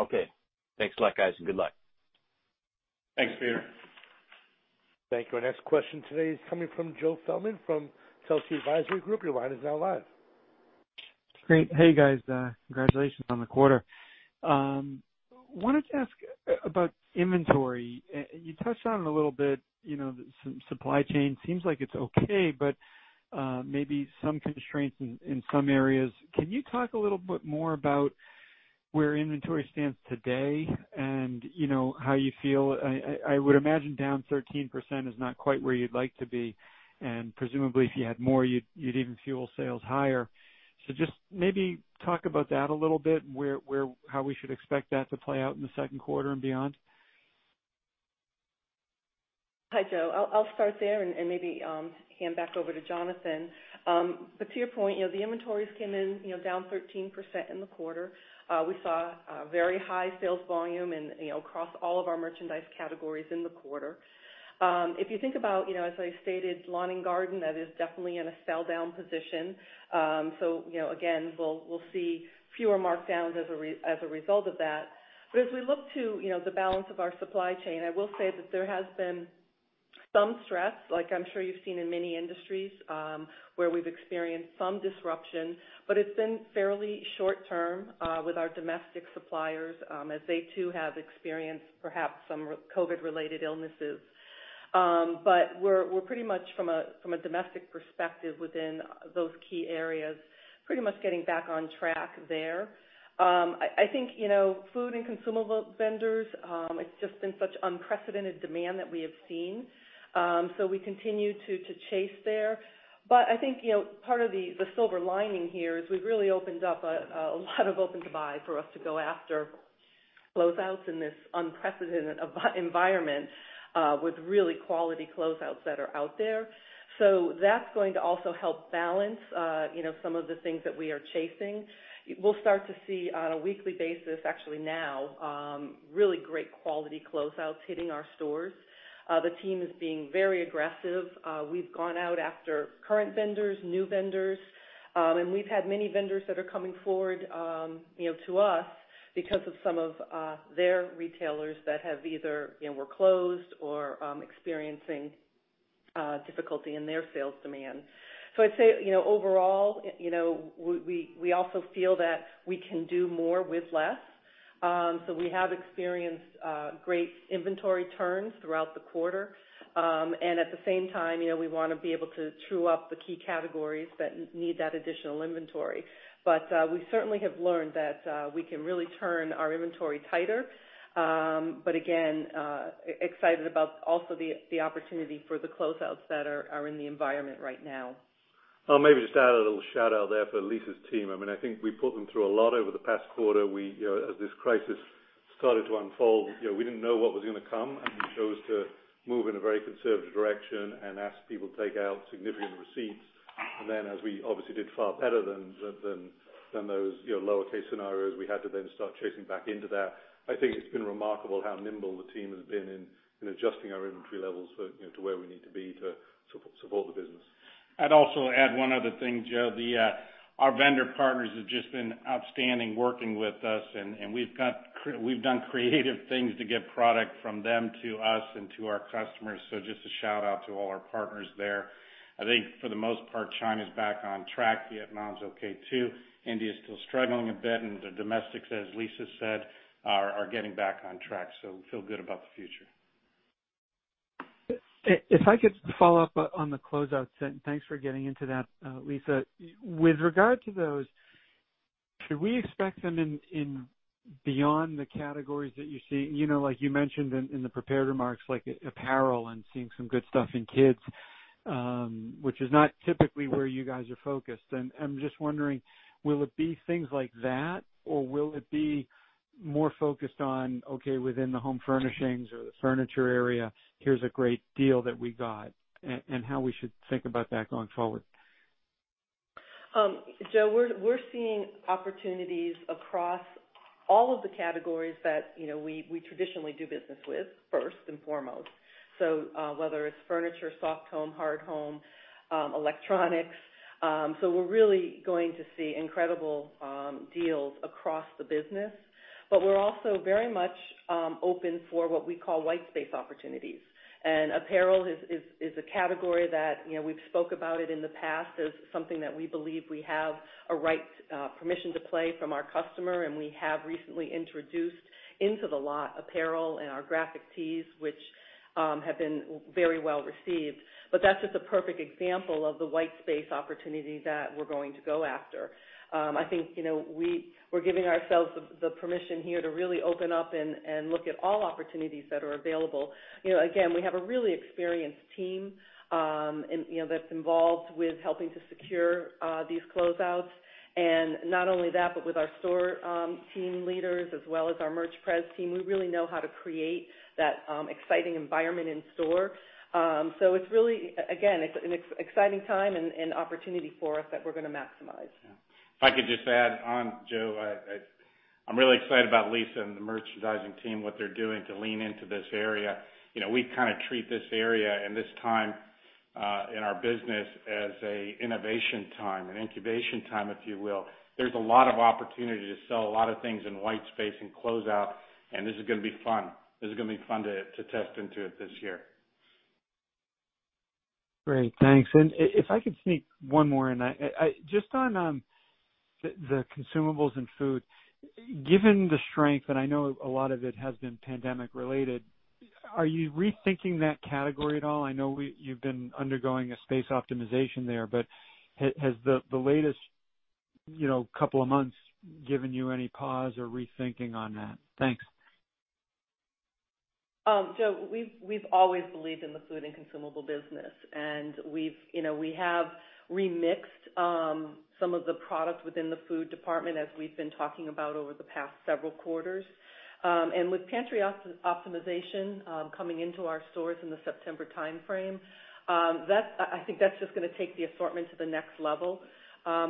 Okay. Thanks a lot, guys, and good luck. Thanks, Peter. Thank you. Our next question today is coming from Joe Feldman from Telsey Advisory Group. Your line is now live. Great, hey guys, congratulations on the quarter. I wanted to ask about inventory. You touched on it a little bit, you know, some supply chain seems like it's okay, but maybe some constraints in some areas. Can you talk a little bit more about where inventory stands today, you know, And how you feel? I would imagine down 13% is not quite where you'd like to be, and presumably, if you had more, you'd even fuel sales higher, so just maybe talk about that a little bit and how we should expect that to play out in the second quarter and beyond. Hi, Joe. I'll start there and maybe hand back over to Jonathan. To your point, the inventories came in down 13% in the quarter. We saw very high sales volume and, you know, across all of our merchandise categories in the quarter. If you think about, as I stated, lawn and garden, that is definitely in a sell-down position. Again, we'll see fewer markdowns as a result of that. As we look to the balance of our supply chain, I will say that there has been some stress, like I'm sure you've seen in many industries, where we've experienced some disruption, but it's been fairly short-term with our domestic suppliers, as they too have experienced perhaps some COVID-related illnesses. We're pretty much, from a domestic perspective within those key areas, pretty much getting back on track there. I think, you know, food and consumable vendors, it's just been such unprecedented demand that we have seen. We continue to chase there. I think part of the silver lining here is we've really opened up a lot of open-to-buy for us to go after closeouts in this unprecedented environment with really quality closeouts that are out there, so that's going to also help balance some of the things that we are chasing. We'll start to see on a weekly basis, actually now, really great quality closeouts hitting our stores. The team is being very aggressive. We've gone out after current vendors, new vendors, and we've had many vendors that are coming forward, you know, to us because of some of their retailers that have either were closed or experiencing difficulty in their sales demand. I'd say, overall, you know, we also feel that we can do more with less. We have experienced great inventory turns throughout the quarter. At the same time, you know, we want to be able to true up the key categories that need that additional inventory. We certainly have learned that we can really turn our inventory tighter. Again, excited about also the opportunity for the closeouts that are in the environment right now. I'll maybe just add a little shout-out there for Lisa's team. I think we put them through a lot over the past quarter, you know, as this crisis started to unfold, we didn't know what was going to come, and we chose to move in a very conservative direction and ask people to take out significant receipts. As we obviously did far better than those lower case scenarios, we had to then start chasing back into that. I think it's been remarkable how nimble the team has been in adjusting our inventory levels to where we need to be to support the business. I'd also add one other thing, Joe. Our vendor partners have just been outstanding working with us, and we've done creative things to get product from them to us and to our customers, so just a shout-out to all our partners there. I think for the most part, China's back on track, Vietnam's okay too. India is still struggling a bit, and the domestics, as Lisa said, are getting back on track. We feel good about the future. If I could follow up on the closeouts, and thanks for getting into that, Lisa. With regard to those, should we expect them in beyond the categories that you see, like you mentioned in the prepared remarks, like apparel and seeing some good stuff in kids, which is not typically where you guys are focused. I'm just wondering, will it be things like that, or will it be more focused on, okay, within the home furnishings or the furniture area, here's a great deal that we got, and how we should think about that going forward? Joe, we're seeing opportunities across all of the categories that, you know, we traditionally do business with first and foremost. Whether it's furniture, soft home, hard home, electronics. We're really going to see incredible deals across the business, but we're also very much open for what we call white space opportunities. Apparel is a category that we've spoke about it in the past as something that we believe we have a right permission to play from our customer, and we have recently introduced into The Lot apparel and our graphic tees, which have been very well received, but that's just a perfect example of the white space opportunity that we're going to go after. I think we're giving ourselves the permission here to really open up and look at all opportunities that are available. Again, we have a really experienced team that's involved with helping to secure these closeouts. Not only that, but with our store team leaders as well as our merch pres team, we really know how to create that exciting environment in store. It's really, again, it's an exciting time and opportunity for us that we're going to maximize. If I could just add on, Joe, I'm really excited about Lisa and the merchandising team, what they're doing to lean into this area. We kind of treat this area and this time in our business as a innovation time, an incubation time, if you will. There's a lot of opportunity to sell a lot of things in white space and closeout, and this is going to be fun. This is going to be fun to test into it this year. Great, thanks, and if I could sneak one more in, just on the consumables and food, given the strength, and I know a lot of it has been pandemic related, are you rethinking that category at all? I know you've been undergoing a pantry optimization there, has the latest couple of months given you any pause or rethinking on that? Thanks. Joe, we've always believed in the food and consumable business, and we have remixed some of the products within the food department, as we've been talking about over the past several quarters. With Pantry Optimization coming into our stores in the September timeframe, I think that's just going to take the assortment to the next level,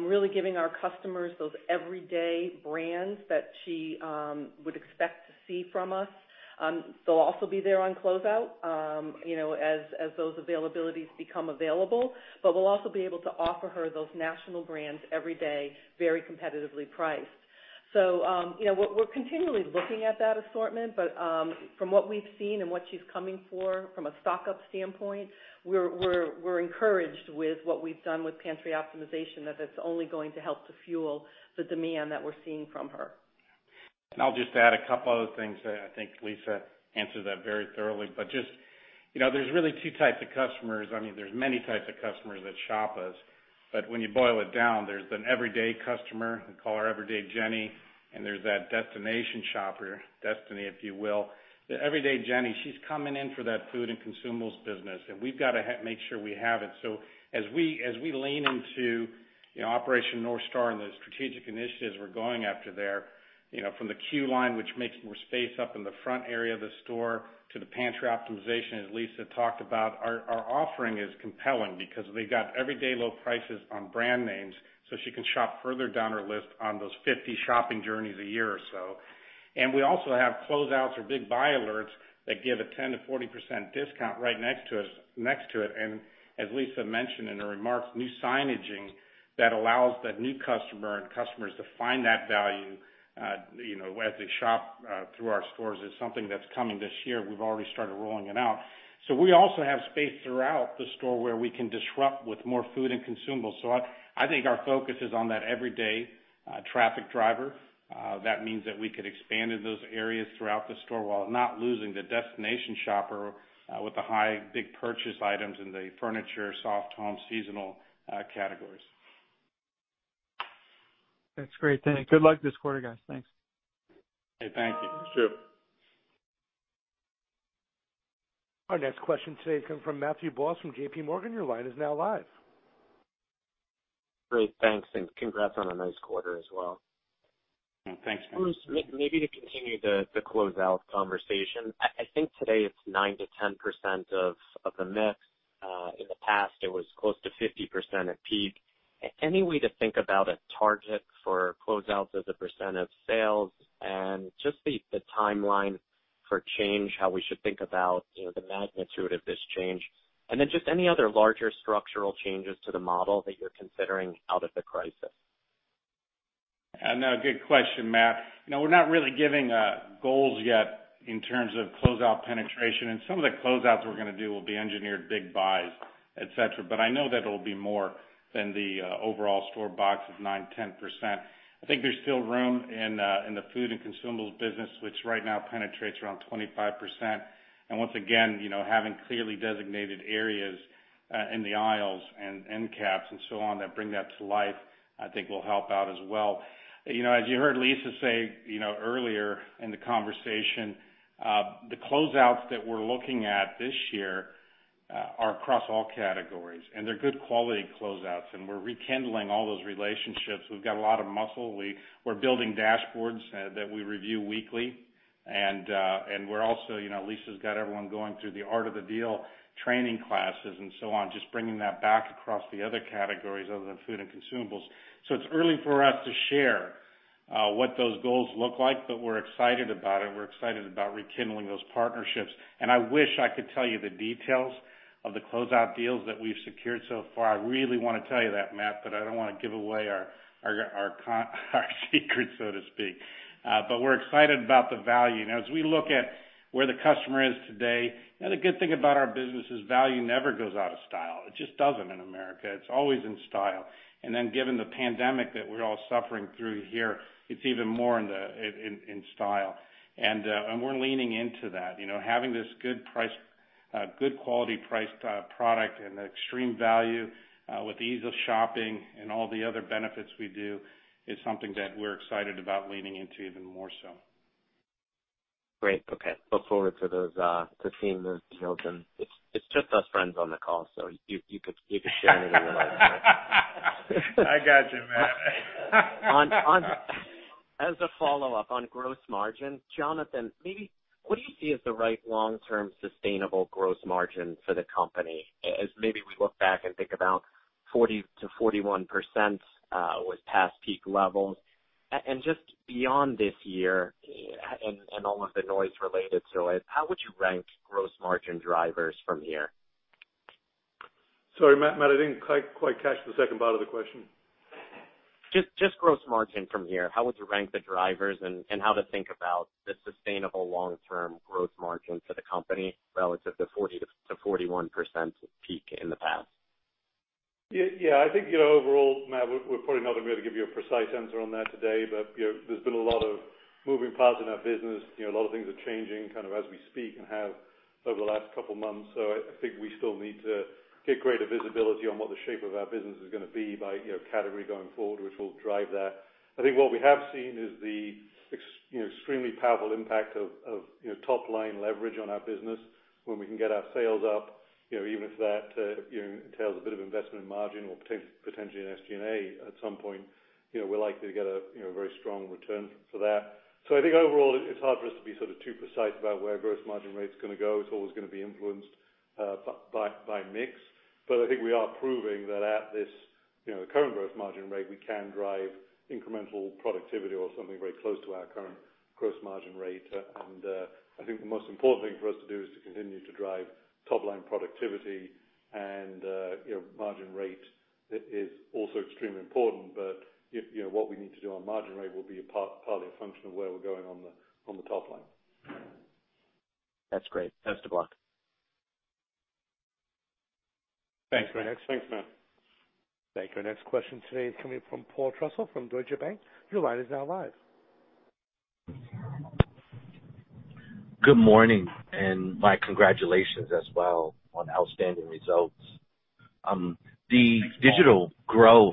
really giving our customers those everyday brands that she would expect to see from us. They'll also be there on closeout as those availabilities become available. We'll also be able to offer her those national brands every day, very competitively priced. We're continually looking at that assortment, but from what we've seen and what she's coming for from a stock-up standpoint, we're encouraged with what we've done with Pantry Optimization, that it's only going to help to fuel the demand that we're seeing from her. I'll just add a couple other things and I think Lisa answered that very thoroughly. There's really two types of customers. I mean, there's many types of customers that shop us, but when you boil it down, there's an everyday customer, we call her Everyday Jenny, and there's that destination shopper, Destiny, if you will. The Everyday Jenny, she's coming in for that food and consumables business, and we've got to make sure we have it. As we lean into Operation North Star and the strategic initiatives we're going after there, from the Queue Line, which makes more space up in the front area of the store, to the pantry optimization, as Lisa Bachmann talked about, our offering is compelling because they got everyday low prices on brand names, so she can shop further down her list on those 50 shopping journeys a year or so. We also have closeouts or big buy alerts that give a 10% to 40% discount right next to it. As Lisa mentioned in her remarks, new signage that allows that new customer and customers to find that value as they shop through our stores is something that's coming this year. We've already started rolling it out. We also have space throughout the store where we can disrupt with more food and consumables. I think our focus is on that everyday traffic driver. That means that we could expand in those areas throughout the store while not losing the destination shopper with the high, big purchase items in the furniture, soft home, seasonal categories. That's great. Thanks. Good luck this quarter, guys. Thanks. Hey, thank you. Sure. Our next question today comes from Matthew Boss from J.P. Morgan. Your line is now live. Great, thanks, and congrats on a nice quarter as well. Thanks, Matt. Maybe to continue the closeout conversation, I think today it's 9% to 10% of the mix. In the past it was close to 50% at peak. Any way to think about a target for closeouts as a percent of sales and just the timeline for change, how we should think about, you know, the magnitude of this change, and then just any other larger structural changes to the model that you're considering out of the crisis? No, good question, Matt. We're not really giving goals yet in terms of closeout penetration, and some of the closeouts we're going to do will be engineered big buys, et cetera, but I know that it'll be more than the overall store box of 9%, 10%. I think there's still room in the food and consumables business, which right now penetrates around 25%. Once again, having clearly designated areas in the aisles and end caps and so on that bring that to life, I think will help out as well. As you heard Lisa say earlier in the conversation, the closeouts that we're looking at this year are across all categories, and they're good quality closeouts, and we're rekindling all those relationships. We've got a lot of muscle. We're building dashboards that we review weekly. Lisa's got everyone going through the Art of the Deal training classes and so on, just bringing that back across the other categories other than food and consumables. It's early for us to share what those goals look like, but we're excited about it. We're excited about rekindling those partnerships. I wish I could tell you the details of the closeout deals that we've secured so far. I really want to tell you that, Matt, but I don't want to give away our secrets, so to speak. We're excited about the value. As we look at where the customer is today, the good thing about our business is value never goes out of style. It just doesn't in America. It's always in style. Given the pandemic that we're all suffering through here, it's even more in style, and we're leaning into that. Having this good quality priced product and the extreme value, with the ease of shopping and all the other benefits we do, is something that we're excited about leaning into even more so. Great. Okay. Look forward to seeing those deals then. It's just us friends on the call, so you could share anything you like. I got you, Matt. As a follow-up, on gross margin, Jonathan, maybe what do you see as the right long-term sustainable gross margin for the company? As maybe we look back and think about 40% to 41% was past peak levels, and just beyond this year and all of the noise related to it, how would you rank gross margin drivers from here? Sorry, Matt, I didn't quite catch the second part of the question. Just gross margin from here, how would you rank the drivers and how to think about the sustainable long-term gross margin for the company relative to 40% to 41% peak in the past? I think, overall, Matt, we're probably not going to be able to give you a precise answer on that today. There's been a lot of moving parts in our business. A lot of things are changing kind of as we speak and have over the last couple of months. I think we still need to get greater visibility on what the shape of our business is going to be by category going forward, which will drive that. I think what we have seen is the extremely powerful impact of top-line leverage on our business when we can get our sales up, even if that entails a bit of investment in margin or potentially in SG&A at some point, we're likely to get a very strong return for that. I think overall, it's hard for us to be sort of too precise about where gross margin rate's going to go. It's always going to be influenced by mix. I think we are proving that at this current gross margin rate, we can drive incremental productivity or something very close to our current gross margin rate. I think the most important thing for us to do is to continue to drive top-line productivity and, you know, margin rate is also extremely important. What we need to do on margin rate will be partly a function of where we're going on the top line. That's great, thanks, best of luck. Thanks, Matt. Thank you. Our next question today is coming from Paul Trussell from Deutsche Bank. Your line is now live. Good morning. My congratulations as well on outstanding results. Thanks, Paul.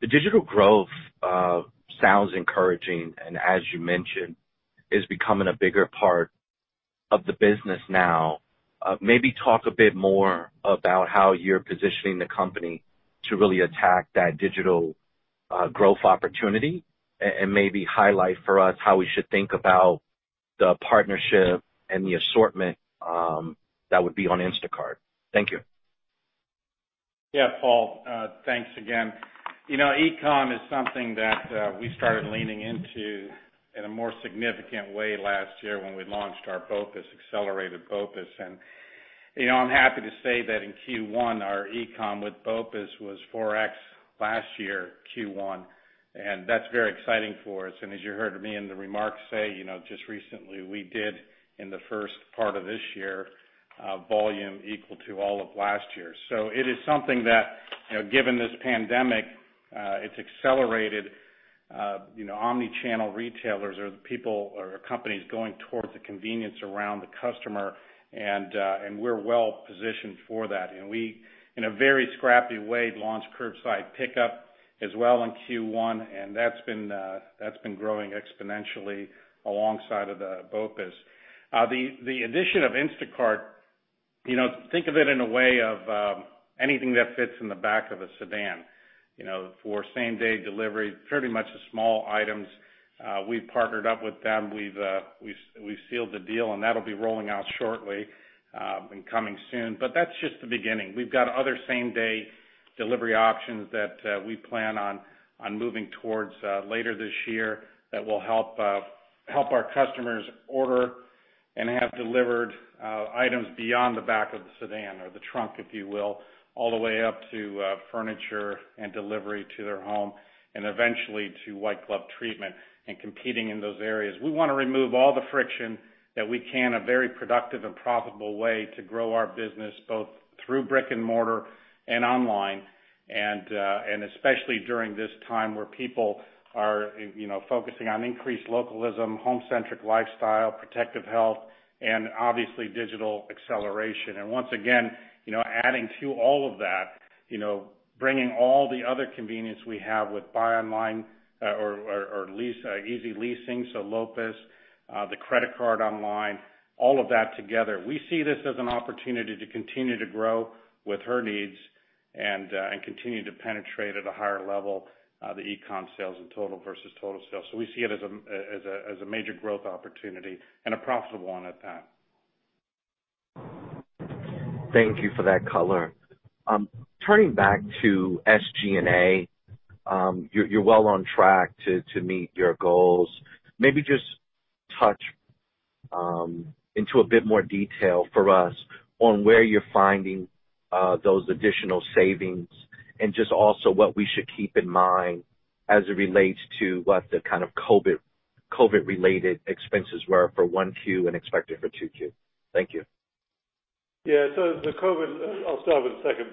The digital growth sounds encouraging and as you mentioned, is becoming a bigger part of the business now. Maybe talk a bit more about how you're positioning the company to really attack that digital growth opportunity and maybe highlight for us how we should think about the partnership and the assortment that would be on Instacart. Thank you. Yeah, Paul, thanks again. E-com is something that we started leaning into in a more significant way last year when we launched our BOPUS, accelerated BOPUS and, you know, I'm happy to say that in Q1, our e-com with BOPUS was 4x last year Q1, and that's very exciting for us. As you heard me in the remarks say, just recently we did in the first part of this year, volume equal to all of last year. It is something that, given this pandemic, it's accelerated omni-channel retailers or people or companies going towards the convenience around the customer. We're well-positioned for that. We, in a very scrappy way, launched curbside pickup as well in Q1, and that's been growing exponentially alongside of the BOPUS. The addition of Instacart, you know, think of it in a way of anything that fits in the back of a sedan. For same-day delivery, pretty much the small items, we've partnered up with them. We've sealed the deal, that will be rolling out shortly and coming soon, but that's just the beginning. We've got other same-day delivery options that we plan on moving towards later this year that will help our customers order and have delivered items beyond the back of the sedan or the trunk, if you will, all the way up to furniture and delivery to their home and eventually to White Glove treatment and competing in those areas. We want to remove all the friction that we can, a very productive and profitable way to grow our business, both through brick and mortar and online, and especially during this time where people are, you know, focusing on increased localism, home-centric lifestyle, protective health, and obviously digital acceleration. Once again, adding to all of that, bringing all the other convenience we have with buy online or Easy Leasing, so LOPUS, the credit card online, all of that together. We see this as an opportunity to continue to grow with her needs and continue to penetrate at a higher level, the e-com sales and total versus total sales. We see it as a major growth opportunity and a profitable one at that. Thank you for that color. Turning back to SG&A, you're well on track to meet your goals. Maybe just touch into a bit more detail for us on where you're finding those additional savings and just also what we should keep in mind as it relates to what the kind of COVID-19-related expenses were for 1Q and expected for Q2. Thank you. Yeah, the COVID, I'll start with the second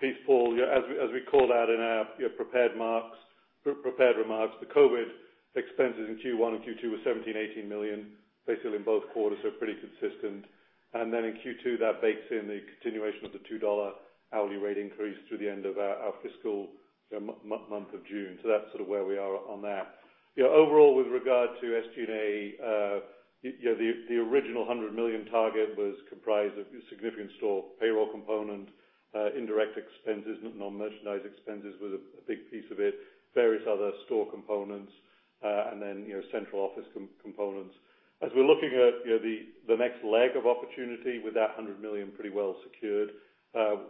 piece, Paul. As we called out in our prepared remarks, the COVID expenses in Q1 and Q2 were $17 million, $18 million, basically in both quarters, so pretty consistent. Then in Q2, that bakes in the continuation of the $2 hourly rate increase through the end of our fiscal month of June. That's sort of where we are on that. Overall, with regard to SG&A, the original $100 million target was comprised of a significant store payroll component, indirect expenses, non-merchandise expenses was a big piece of it, various other store components, then, you know, central office components. As we're looking at the next leg of opportunity with that $100 million pretty well secured,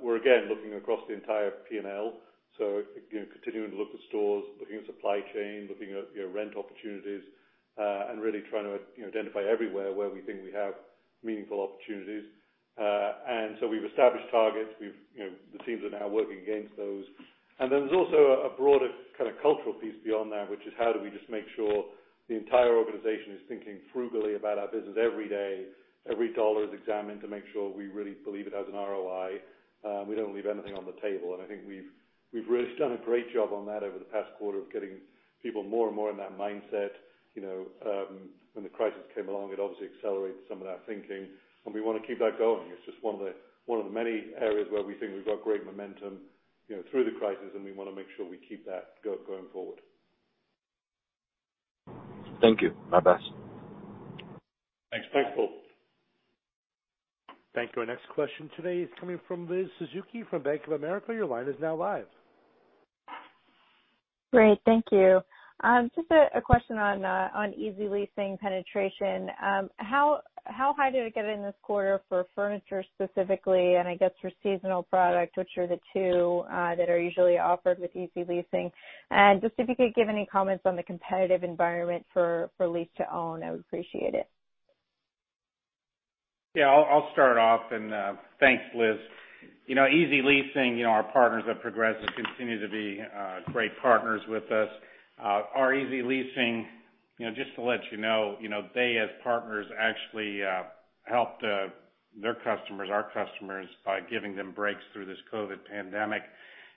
we're again looking across the entire P&L, continuing to look at stores, looking at supply chain, looking at rent opportunities, and really trying to identify everywhere where we think we have meaningful opportunities. We've established targets. The teams are now working against those. Then there's also a broader kind of cultural piece beyond that, which is how do we just make sure the entire organization is thinking frugally about our business every day? Every dollar is examined to make sure we really believe it has an ROI. We don't leave anything on the table. I think we've really done a great job on that over the past quarter of getting people more and more in that mindset. When the crisis came along, it obviously accelerated some of that thinking, and we want to keep that going. It's just one of the many areas where we think we've got great momentum through the crisis, and we want to make sure we keep that going forward. Thank you, my best. Thanks. Thanks, Paul. Thank you. Our next question today is coming from Liz Suzuki from Bank of America. Your line is now live. Great, thank you, and just a question on Easy Leasing penetration. How high did it get in this quarter for furniture specifically and I guess for seasonal product, which are the two that are usually offered with Easy Leasing? Just if you could give any comments on the competitive environment for lease to own, I would appreciate it. Yeah, I'll start off, and thanks, Liz. Easy Leasing, our partners at Progressive continue to be great partners with us. Our Easy Leasing, you know, just to let you know, they as partners actually helped their customers, our customers, by giving them breaks through this COVID pandemic,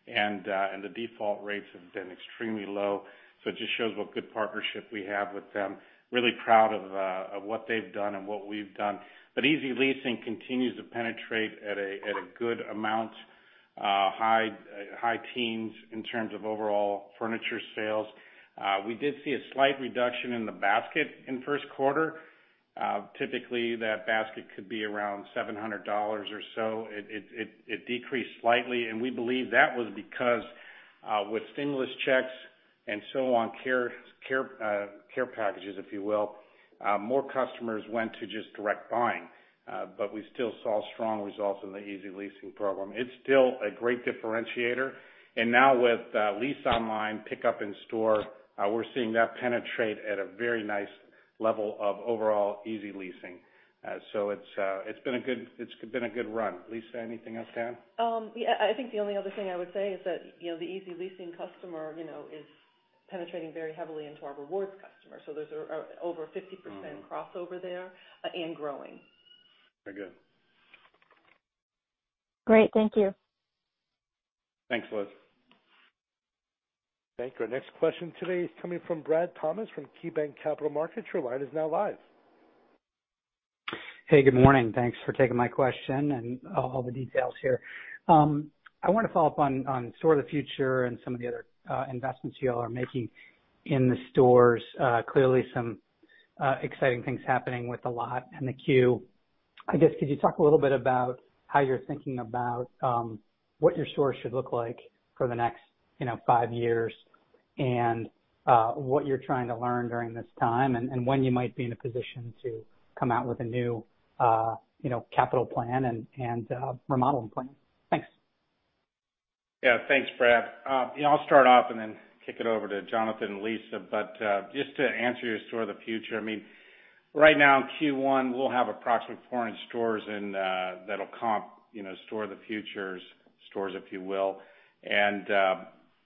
and the default rates have been extremely low. It just shows what good partnership we have with them, really proud of what they've done and what we've done. Easy Leasing continues to penetrate at a good amount, high teens in terms of overall furniture sales. We did see a slight reduction in the basket in first quarter. Typically, that basket could be around $700 or so. It decreased slightly, and we believe that was because with stimulus checks and so on, care packages, if you will, more customers went to just direct buying. We still saw strong results in the Easy Leasing program. It's still a great differentiator. Now with Lease Online, Pick Up in Store, we're seeing that penetrate at a very nice level of overall Easy Leasing. It's been a good run. Lisa, anything else to add? I think the only other thing I would say is that the Easy Leasing customer, you know, is penetrating very heavily into our rewards customer. There's over 50% crossover there and growing. Very good. Great, thank you. Thanks, Liz. Thank you. Our next question today is coming from Brad Thomas from KeyBanc Capital Markets. Your line is now live. Hey, good morning. Thanks for taking my question and all the details here. I want to follow up on Store of the Future and some of the other investments you all are making in the stores. Clearly some exciting things happening with The Lot and the Queue. I guess, could you talk a little bit about how you're thinking about what your stores should look like for the next, you know, five years and what you're trying to learn during this time, and when you might be in a position to come out with a new capital plan and remodeling plan? Thanks. Yeah. Thanks, Brad. I'll start off and then kick it over to Jonathan and Lisa, but just to answer your Store of the Future, right now in Q1, we'll have approximately 400 stores that'll comp Store of the Futures stores, if you will,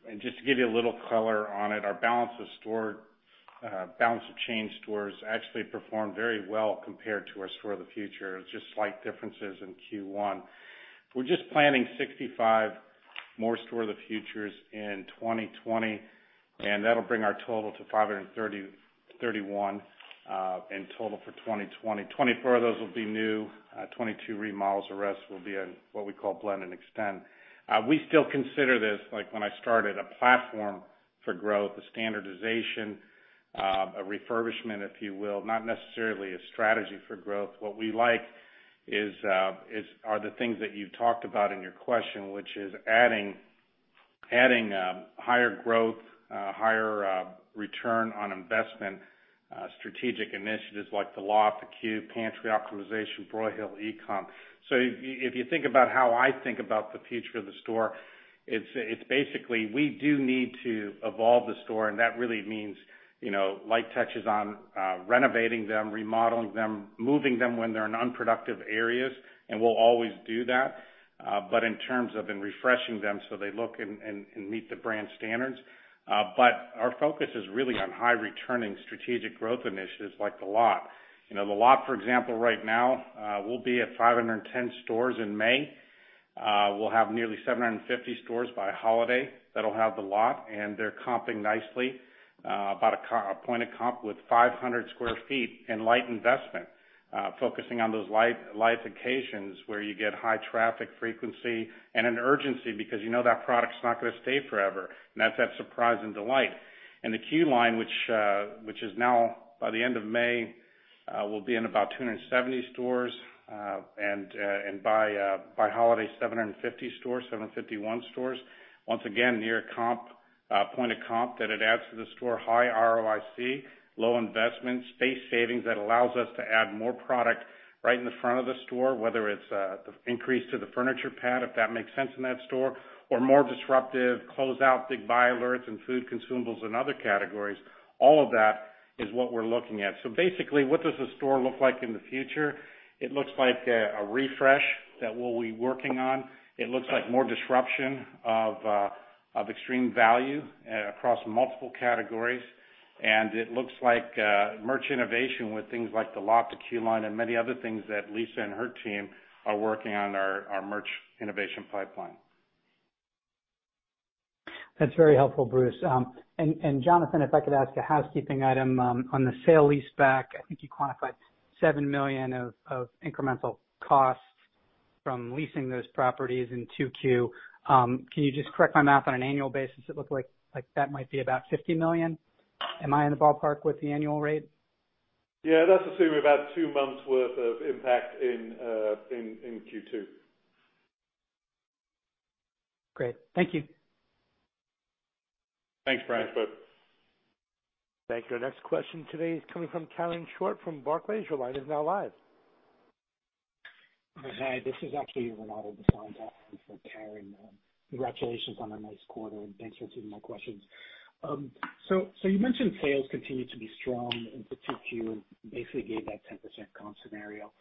and just to give you a little color on it, our balance of chain stores actually performed very well compared to our Store of the Future. It's just slight differences in Q1. We're just planning 65 more Store of the Futures in 2020, and that'll bring our total to 531 in total for 2020, 24 of those will be new, 22 remodels. The rest will be what we call blend and extend. We still consider this, like when I started, a platform for growth, a standardization, a refurbishment, if you will. Not necessarily a strategy for growth. What we like are the things that you talked about in your question, which is adding higher growth, higher return on investment, strategic initiatives like The Lot, Queue Line, Pantry Optimization, Broyhill, E-com. If you think about how I think about the future of the store, it's basically we do need to evolve the store, and that really means, you know, light touches on renovating them, remodeling them, moving them when they're in unproductive areas, and we'll always do that, in terms of refreshing them so they look and meet the brand standards. Our focus is really on high returning strategic growth initiatives like The Lot. The Lot, for example, right now, we'll be at 510 stores in May. We'll have nearly 750 stores by holiday that'll have The Lot, and they're comping nicely. About a point of comp with 500 sq ft in light investment, focusing on those life occasions where you get high traffic frequency and an urgency because you know that product's not going to stay forever, and that's that surprise and delight. The Queue Line, which is now by the end of May, will be in about 270 stores, and by holiday, 750 stores, 751 stores. Once again, near point of comp that it adds to the store, high ROIC, low investment, space savings that allows us to add more product right in the front of the store, whether it's the increase to the furniture pad, if that makes sense in that store, or more disruptive closeout, big buy alerts and food consumables and other categories. All of that is what we're looking at, so basically, what does the store look like in the future? It looks like a refresh that we'll be working on. It looks like more disruption of extreme value across multiple categories. It looks like merch innovation with things like The Lot, the Queue Line, and many other things that Lisa and her team are working on our merch innovation pipeline. That's very helpful, Bruce. Jonathan, if I could ask a housekeeping item on the sale lease back, I think you quantified $7 million of incremental costs from leasing those properties in 2Q. Can you just correct my math on an annual basis, it looked like that might be about $50 million. Am I in the ballpark with the annual rate? Yeah, that's assuming about two months worth of impact in Q2. Great, thank you. Thanks, Brad. Thanks, Brad. Thank you. Our next question today is coming from Karen Short from Barclays. Your line is now live. Hi, this is actually Renato Basanta for Karen. Congratulations on a nice quarter and thanks for taking my questions. You mentioned sales continue to be strong into 2Q and basically gave that 10% comp scenario.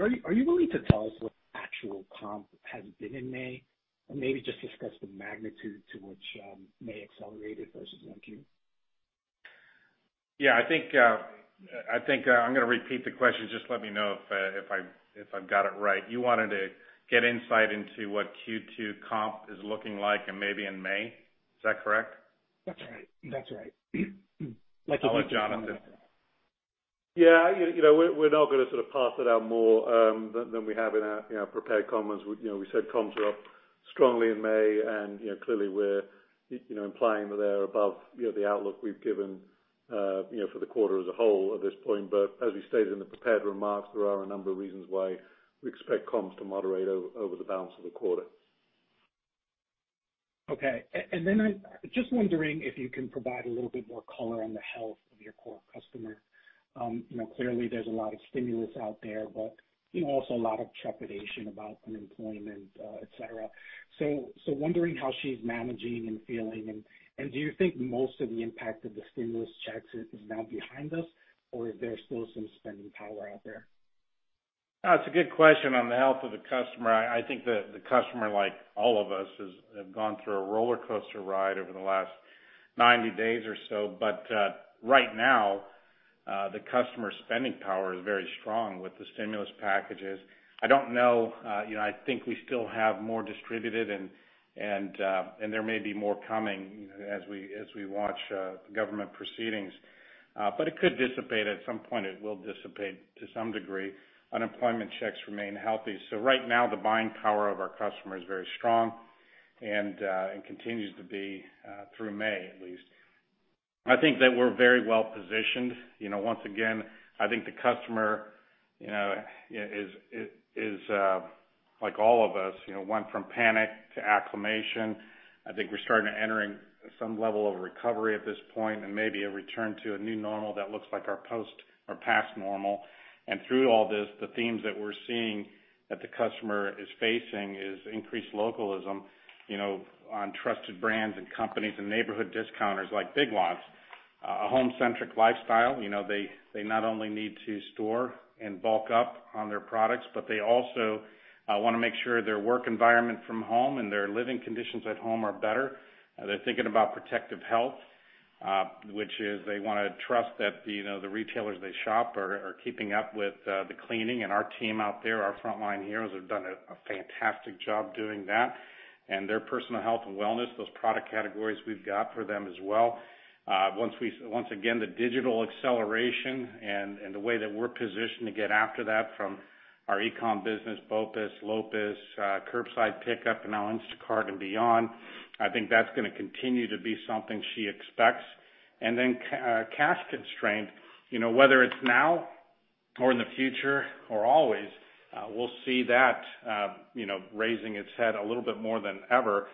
Are you willing to tell us what the actual comp has been in May or maybe just discuss the magnitude to which May accelerated versus 1Q? Yeah, I think I'm going to repeat the question, just let me know if I've got it right. You wanted to get insight into what Q2 comp is looking like and maybe in May, is that correct? That's right. That's right. I'll let Jonathan. Yeah. We're not going to sort of parse it out more than we have in our prepared comments. We said comps are up strongly in May and clearly we're implying that they're above the outlook we've given for the quarter as a whole at this point. As we stated in the prepared remarks, there are a number of reasons why we expect comps to moderate over the balance of the quarter. Okay. I'm just wondering if you can provide a little bit more color on the health of your core customer. Clearly, there's a lot of stimulus out there, but also a lot of trepidation about unemployment, et cetera. I'm wondering how she's managing and feeling and do you think most of the impact of the stimulus checks is now behind us, or is there still some spending power out there? That's a good question on the health of the customer. I think the customer, like all of us, have gone through a roller coaster ride over the last 90 days or so. Right now, the customer spending power is very strong with the stimulus packages. I don't know, you know, I think we still have more distributed and there may be more coming as we watch government proceedings. It could dissipate at some point, it will dissipate to some degree. Unemployment checks remain healthy. Right now, the buying power of our customer is very strong and continues to be through May at least. I think that we're very well positioned. Once again, I think the customer is like all of us, went from panic to acclimation. I think we're starting to enter in some level of recovery at this point and maybe a return to a new normal that looks like our post or past normal. Through all this, the themes that we're seeing that the customer is facing is increased localism on trusted brands and companies and neighborhood discounters like Big Lots. A home centric lifestyle, you know, they not only need to store and bulk up on their products, but they also want to make sure their work environment from home and their living conditions at home are better. They're thinking about protective health, which is they want to trust that the retailers they shop are keeping up with the cleaning and our team out there, our frontline heroes have done a fantastic job doing that, and their personal health and wellness, those product categories we've got for them as well. Once again, the digital acceleration and the way that we're positioned to get after that from our e-com business, BOPIS, LOPIS, curbside pickup, and now Instacart and beyond, I think that's going to continue to be something she expects. Cash constraint, you know, whether it's now or in the future or always, we'll see that raising its head a little bit more than ever.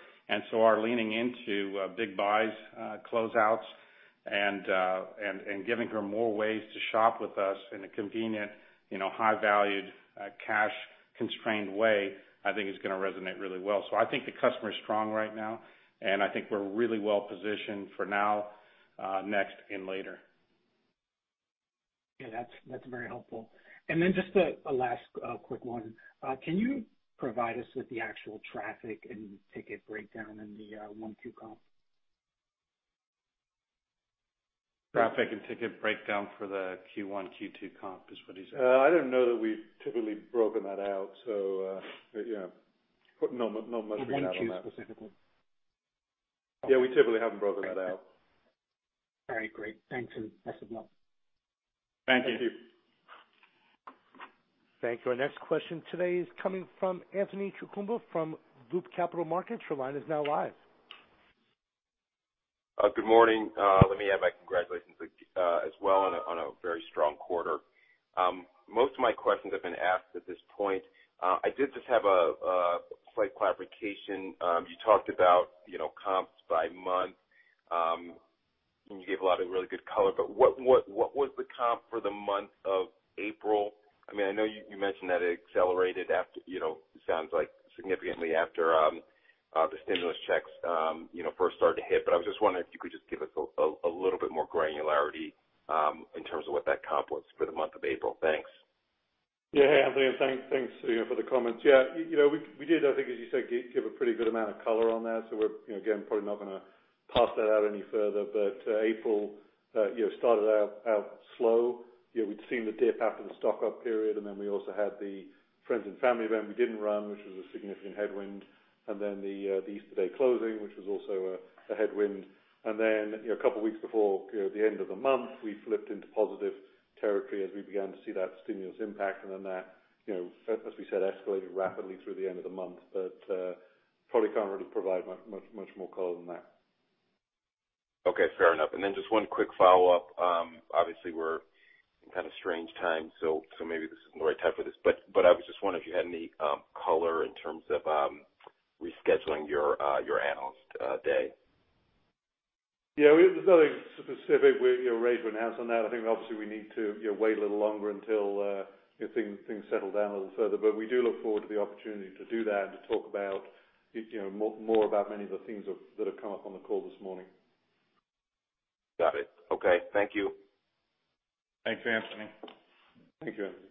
Our leaning into big buys closeouts and giving her more ways to shop with us in a convenient, you know, high valued, cash constrained way, I think is going to resonate really well. I think the customer is strong right now, and I think we're really well positioned for now, next, and later. Yeah, that's very helpful, and then just a last quick one. Can you provide us with the actual traffic and ticket breakdown in the 1Q comp? Traffic and ticket breakdown for the Q1, Q2 comp is what he said. I don't know that we've typically broken that out. Yeah. Not much to get out on that. In 1Q specifically. Yeah, we typically haven't broken that out. All right, great. Thanks, and best of luck. Thank you. Thank you. Thank you. Our next question today is coming from Anthony Chukumba from Loop Capital Markets. Your line is now live. Good morning. Let me add my congratulations as well on a very strong quarter. Most of my questions have been asked at this point. I did just have a slight clarification. You talked about comps by month and you gave a lot of really good color, but what was the comp for the month of April? I know you mentioned that it accelerated after, it sounds like significantly after the stimulus checks, you know, first started to hit. I was just wondering if you could just give us a little bit more granularity in terms of what that comp was for the month of April. Thanks. Yeah. Hey, Anthony, thanks for the comments. Yeah, we did, I think, as you said, give a pretty good amount of color on that. We're, again, probably not going to pass that out any further. April started out slow. We'd seen the dip after the stock-up period, and then we also had the friends and family event we didn't run, which was a significant headwind. The Easter Day closing, which was also a headwind, and then a couple of weeks before the end of the month, we flipped into positive territory as we began to see that stimulus impact. That, as we said, escalated rapidly through the end of the month, but probably can't really provide much more color than that. Okay, fair enough. Just one quick follow-up. Obviously, we're in kind of strange times, maybe this isn't the right time for this. I was just wondering if you had any color in terms of rescheduling your Analyst Day. Yeah. We have nothing specific we're ready to announce on that. I think, obviously, we need to wait a little longer until things settle down a little further. We do look forward to the opportunity to do that and to talk more about many of the things that have come up on the call this morning. Got it. Okay. Thank you. Thanks, Anthony. Thank you, Anthony.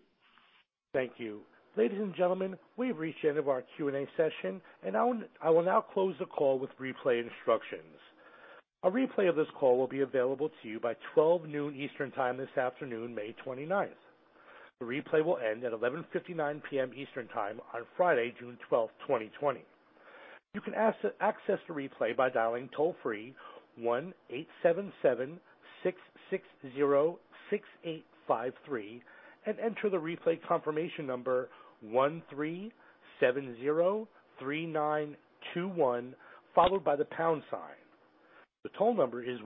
Thank you. Ladies and gentlemen, we've reached the end of our Q&A session, and I will now close the call with replay instructions. A replay of this call will be available to you by 12:00 P.M. Eastern time this afternoon, May 29th. The replay will end at 11:59 P.M. Eastern time on Friday, June 12th, 2020. You can access the replay by dialing toll-free 1-877-660-6853 and enter the replay confirmation number 13703921, followed by the pound sign. The toll number is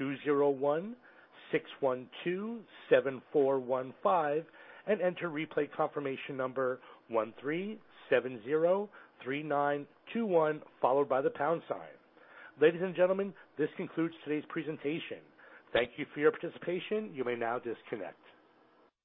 1-201-612-7415, and enter replay confirmation number 13703921, followed by the pound sign. Ladies and gentlemen, this concludes today's presentation. Thank you for your participation. You may now disconnect.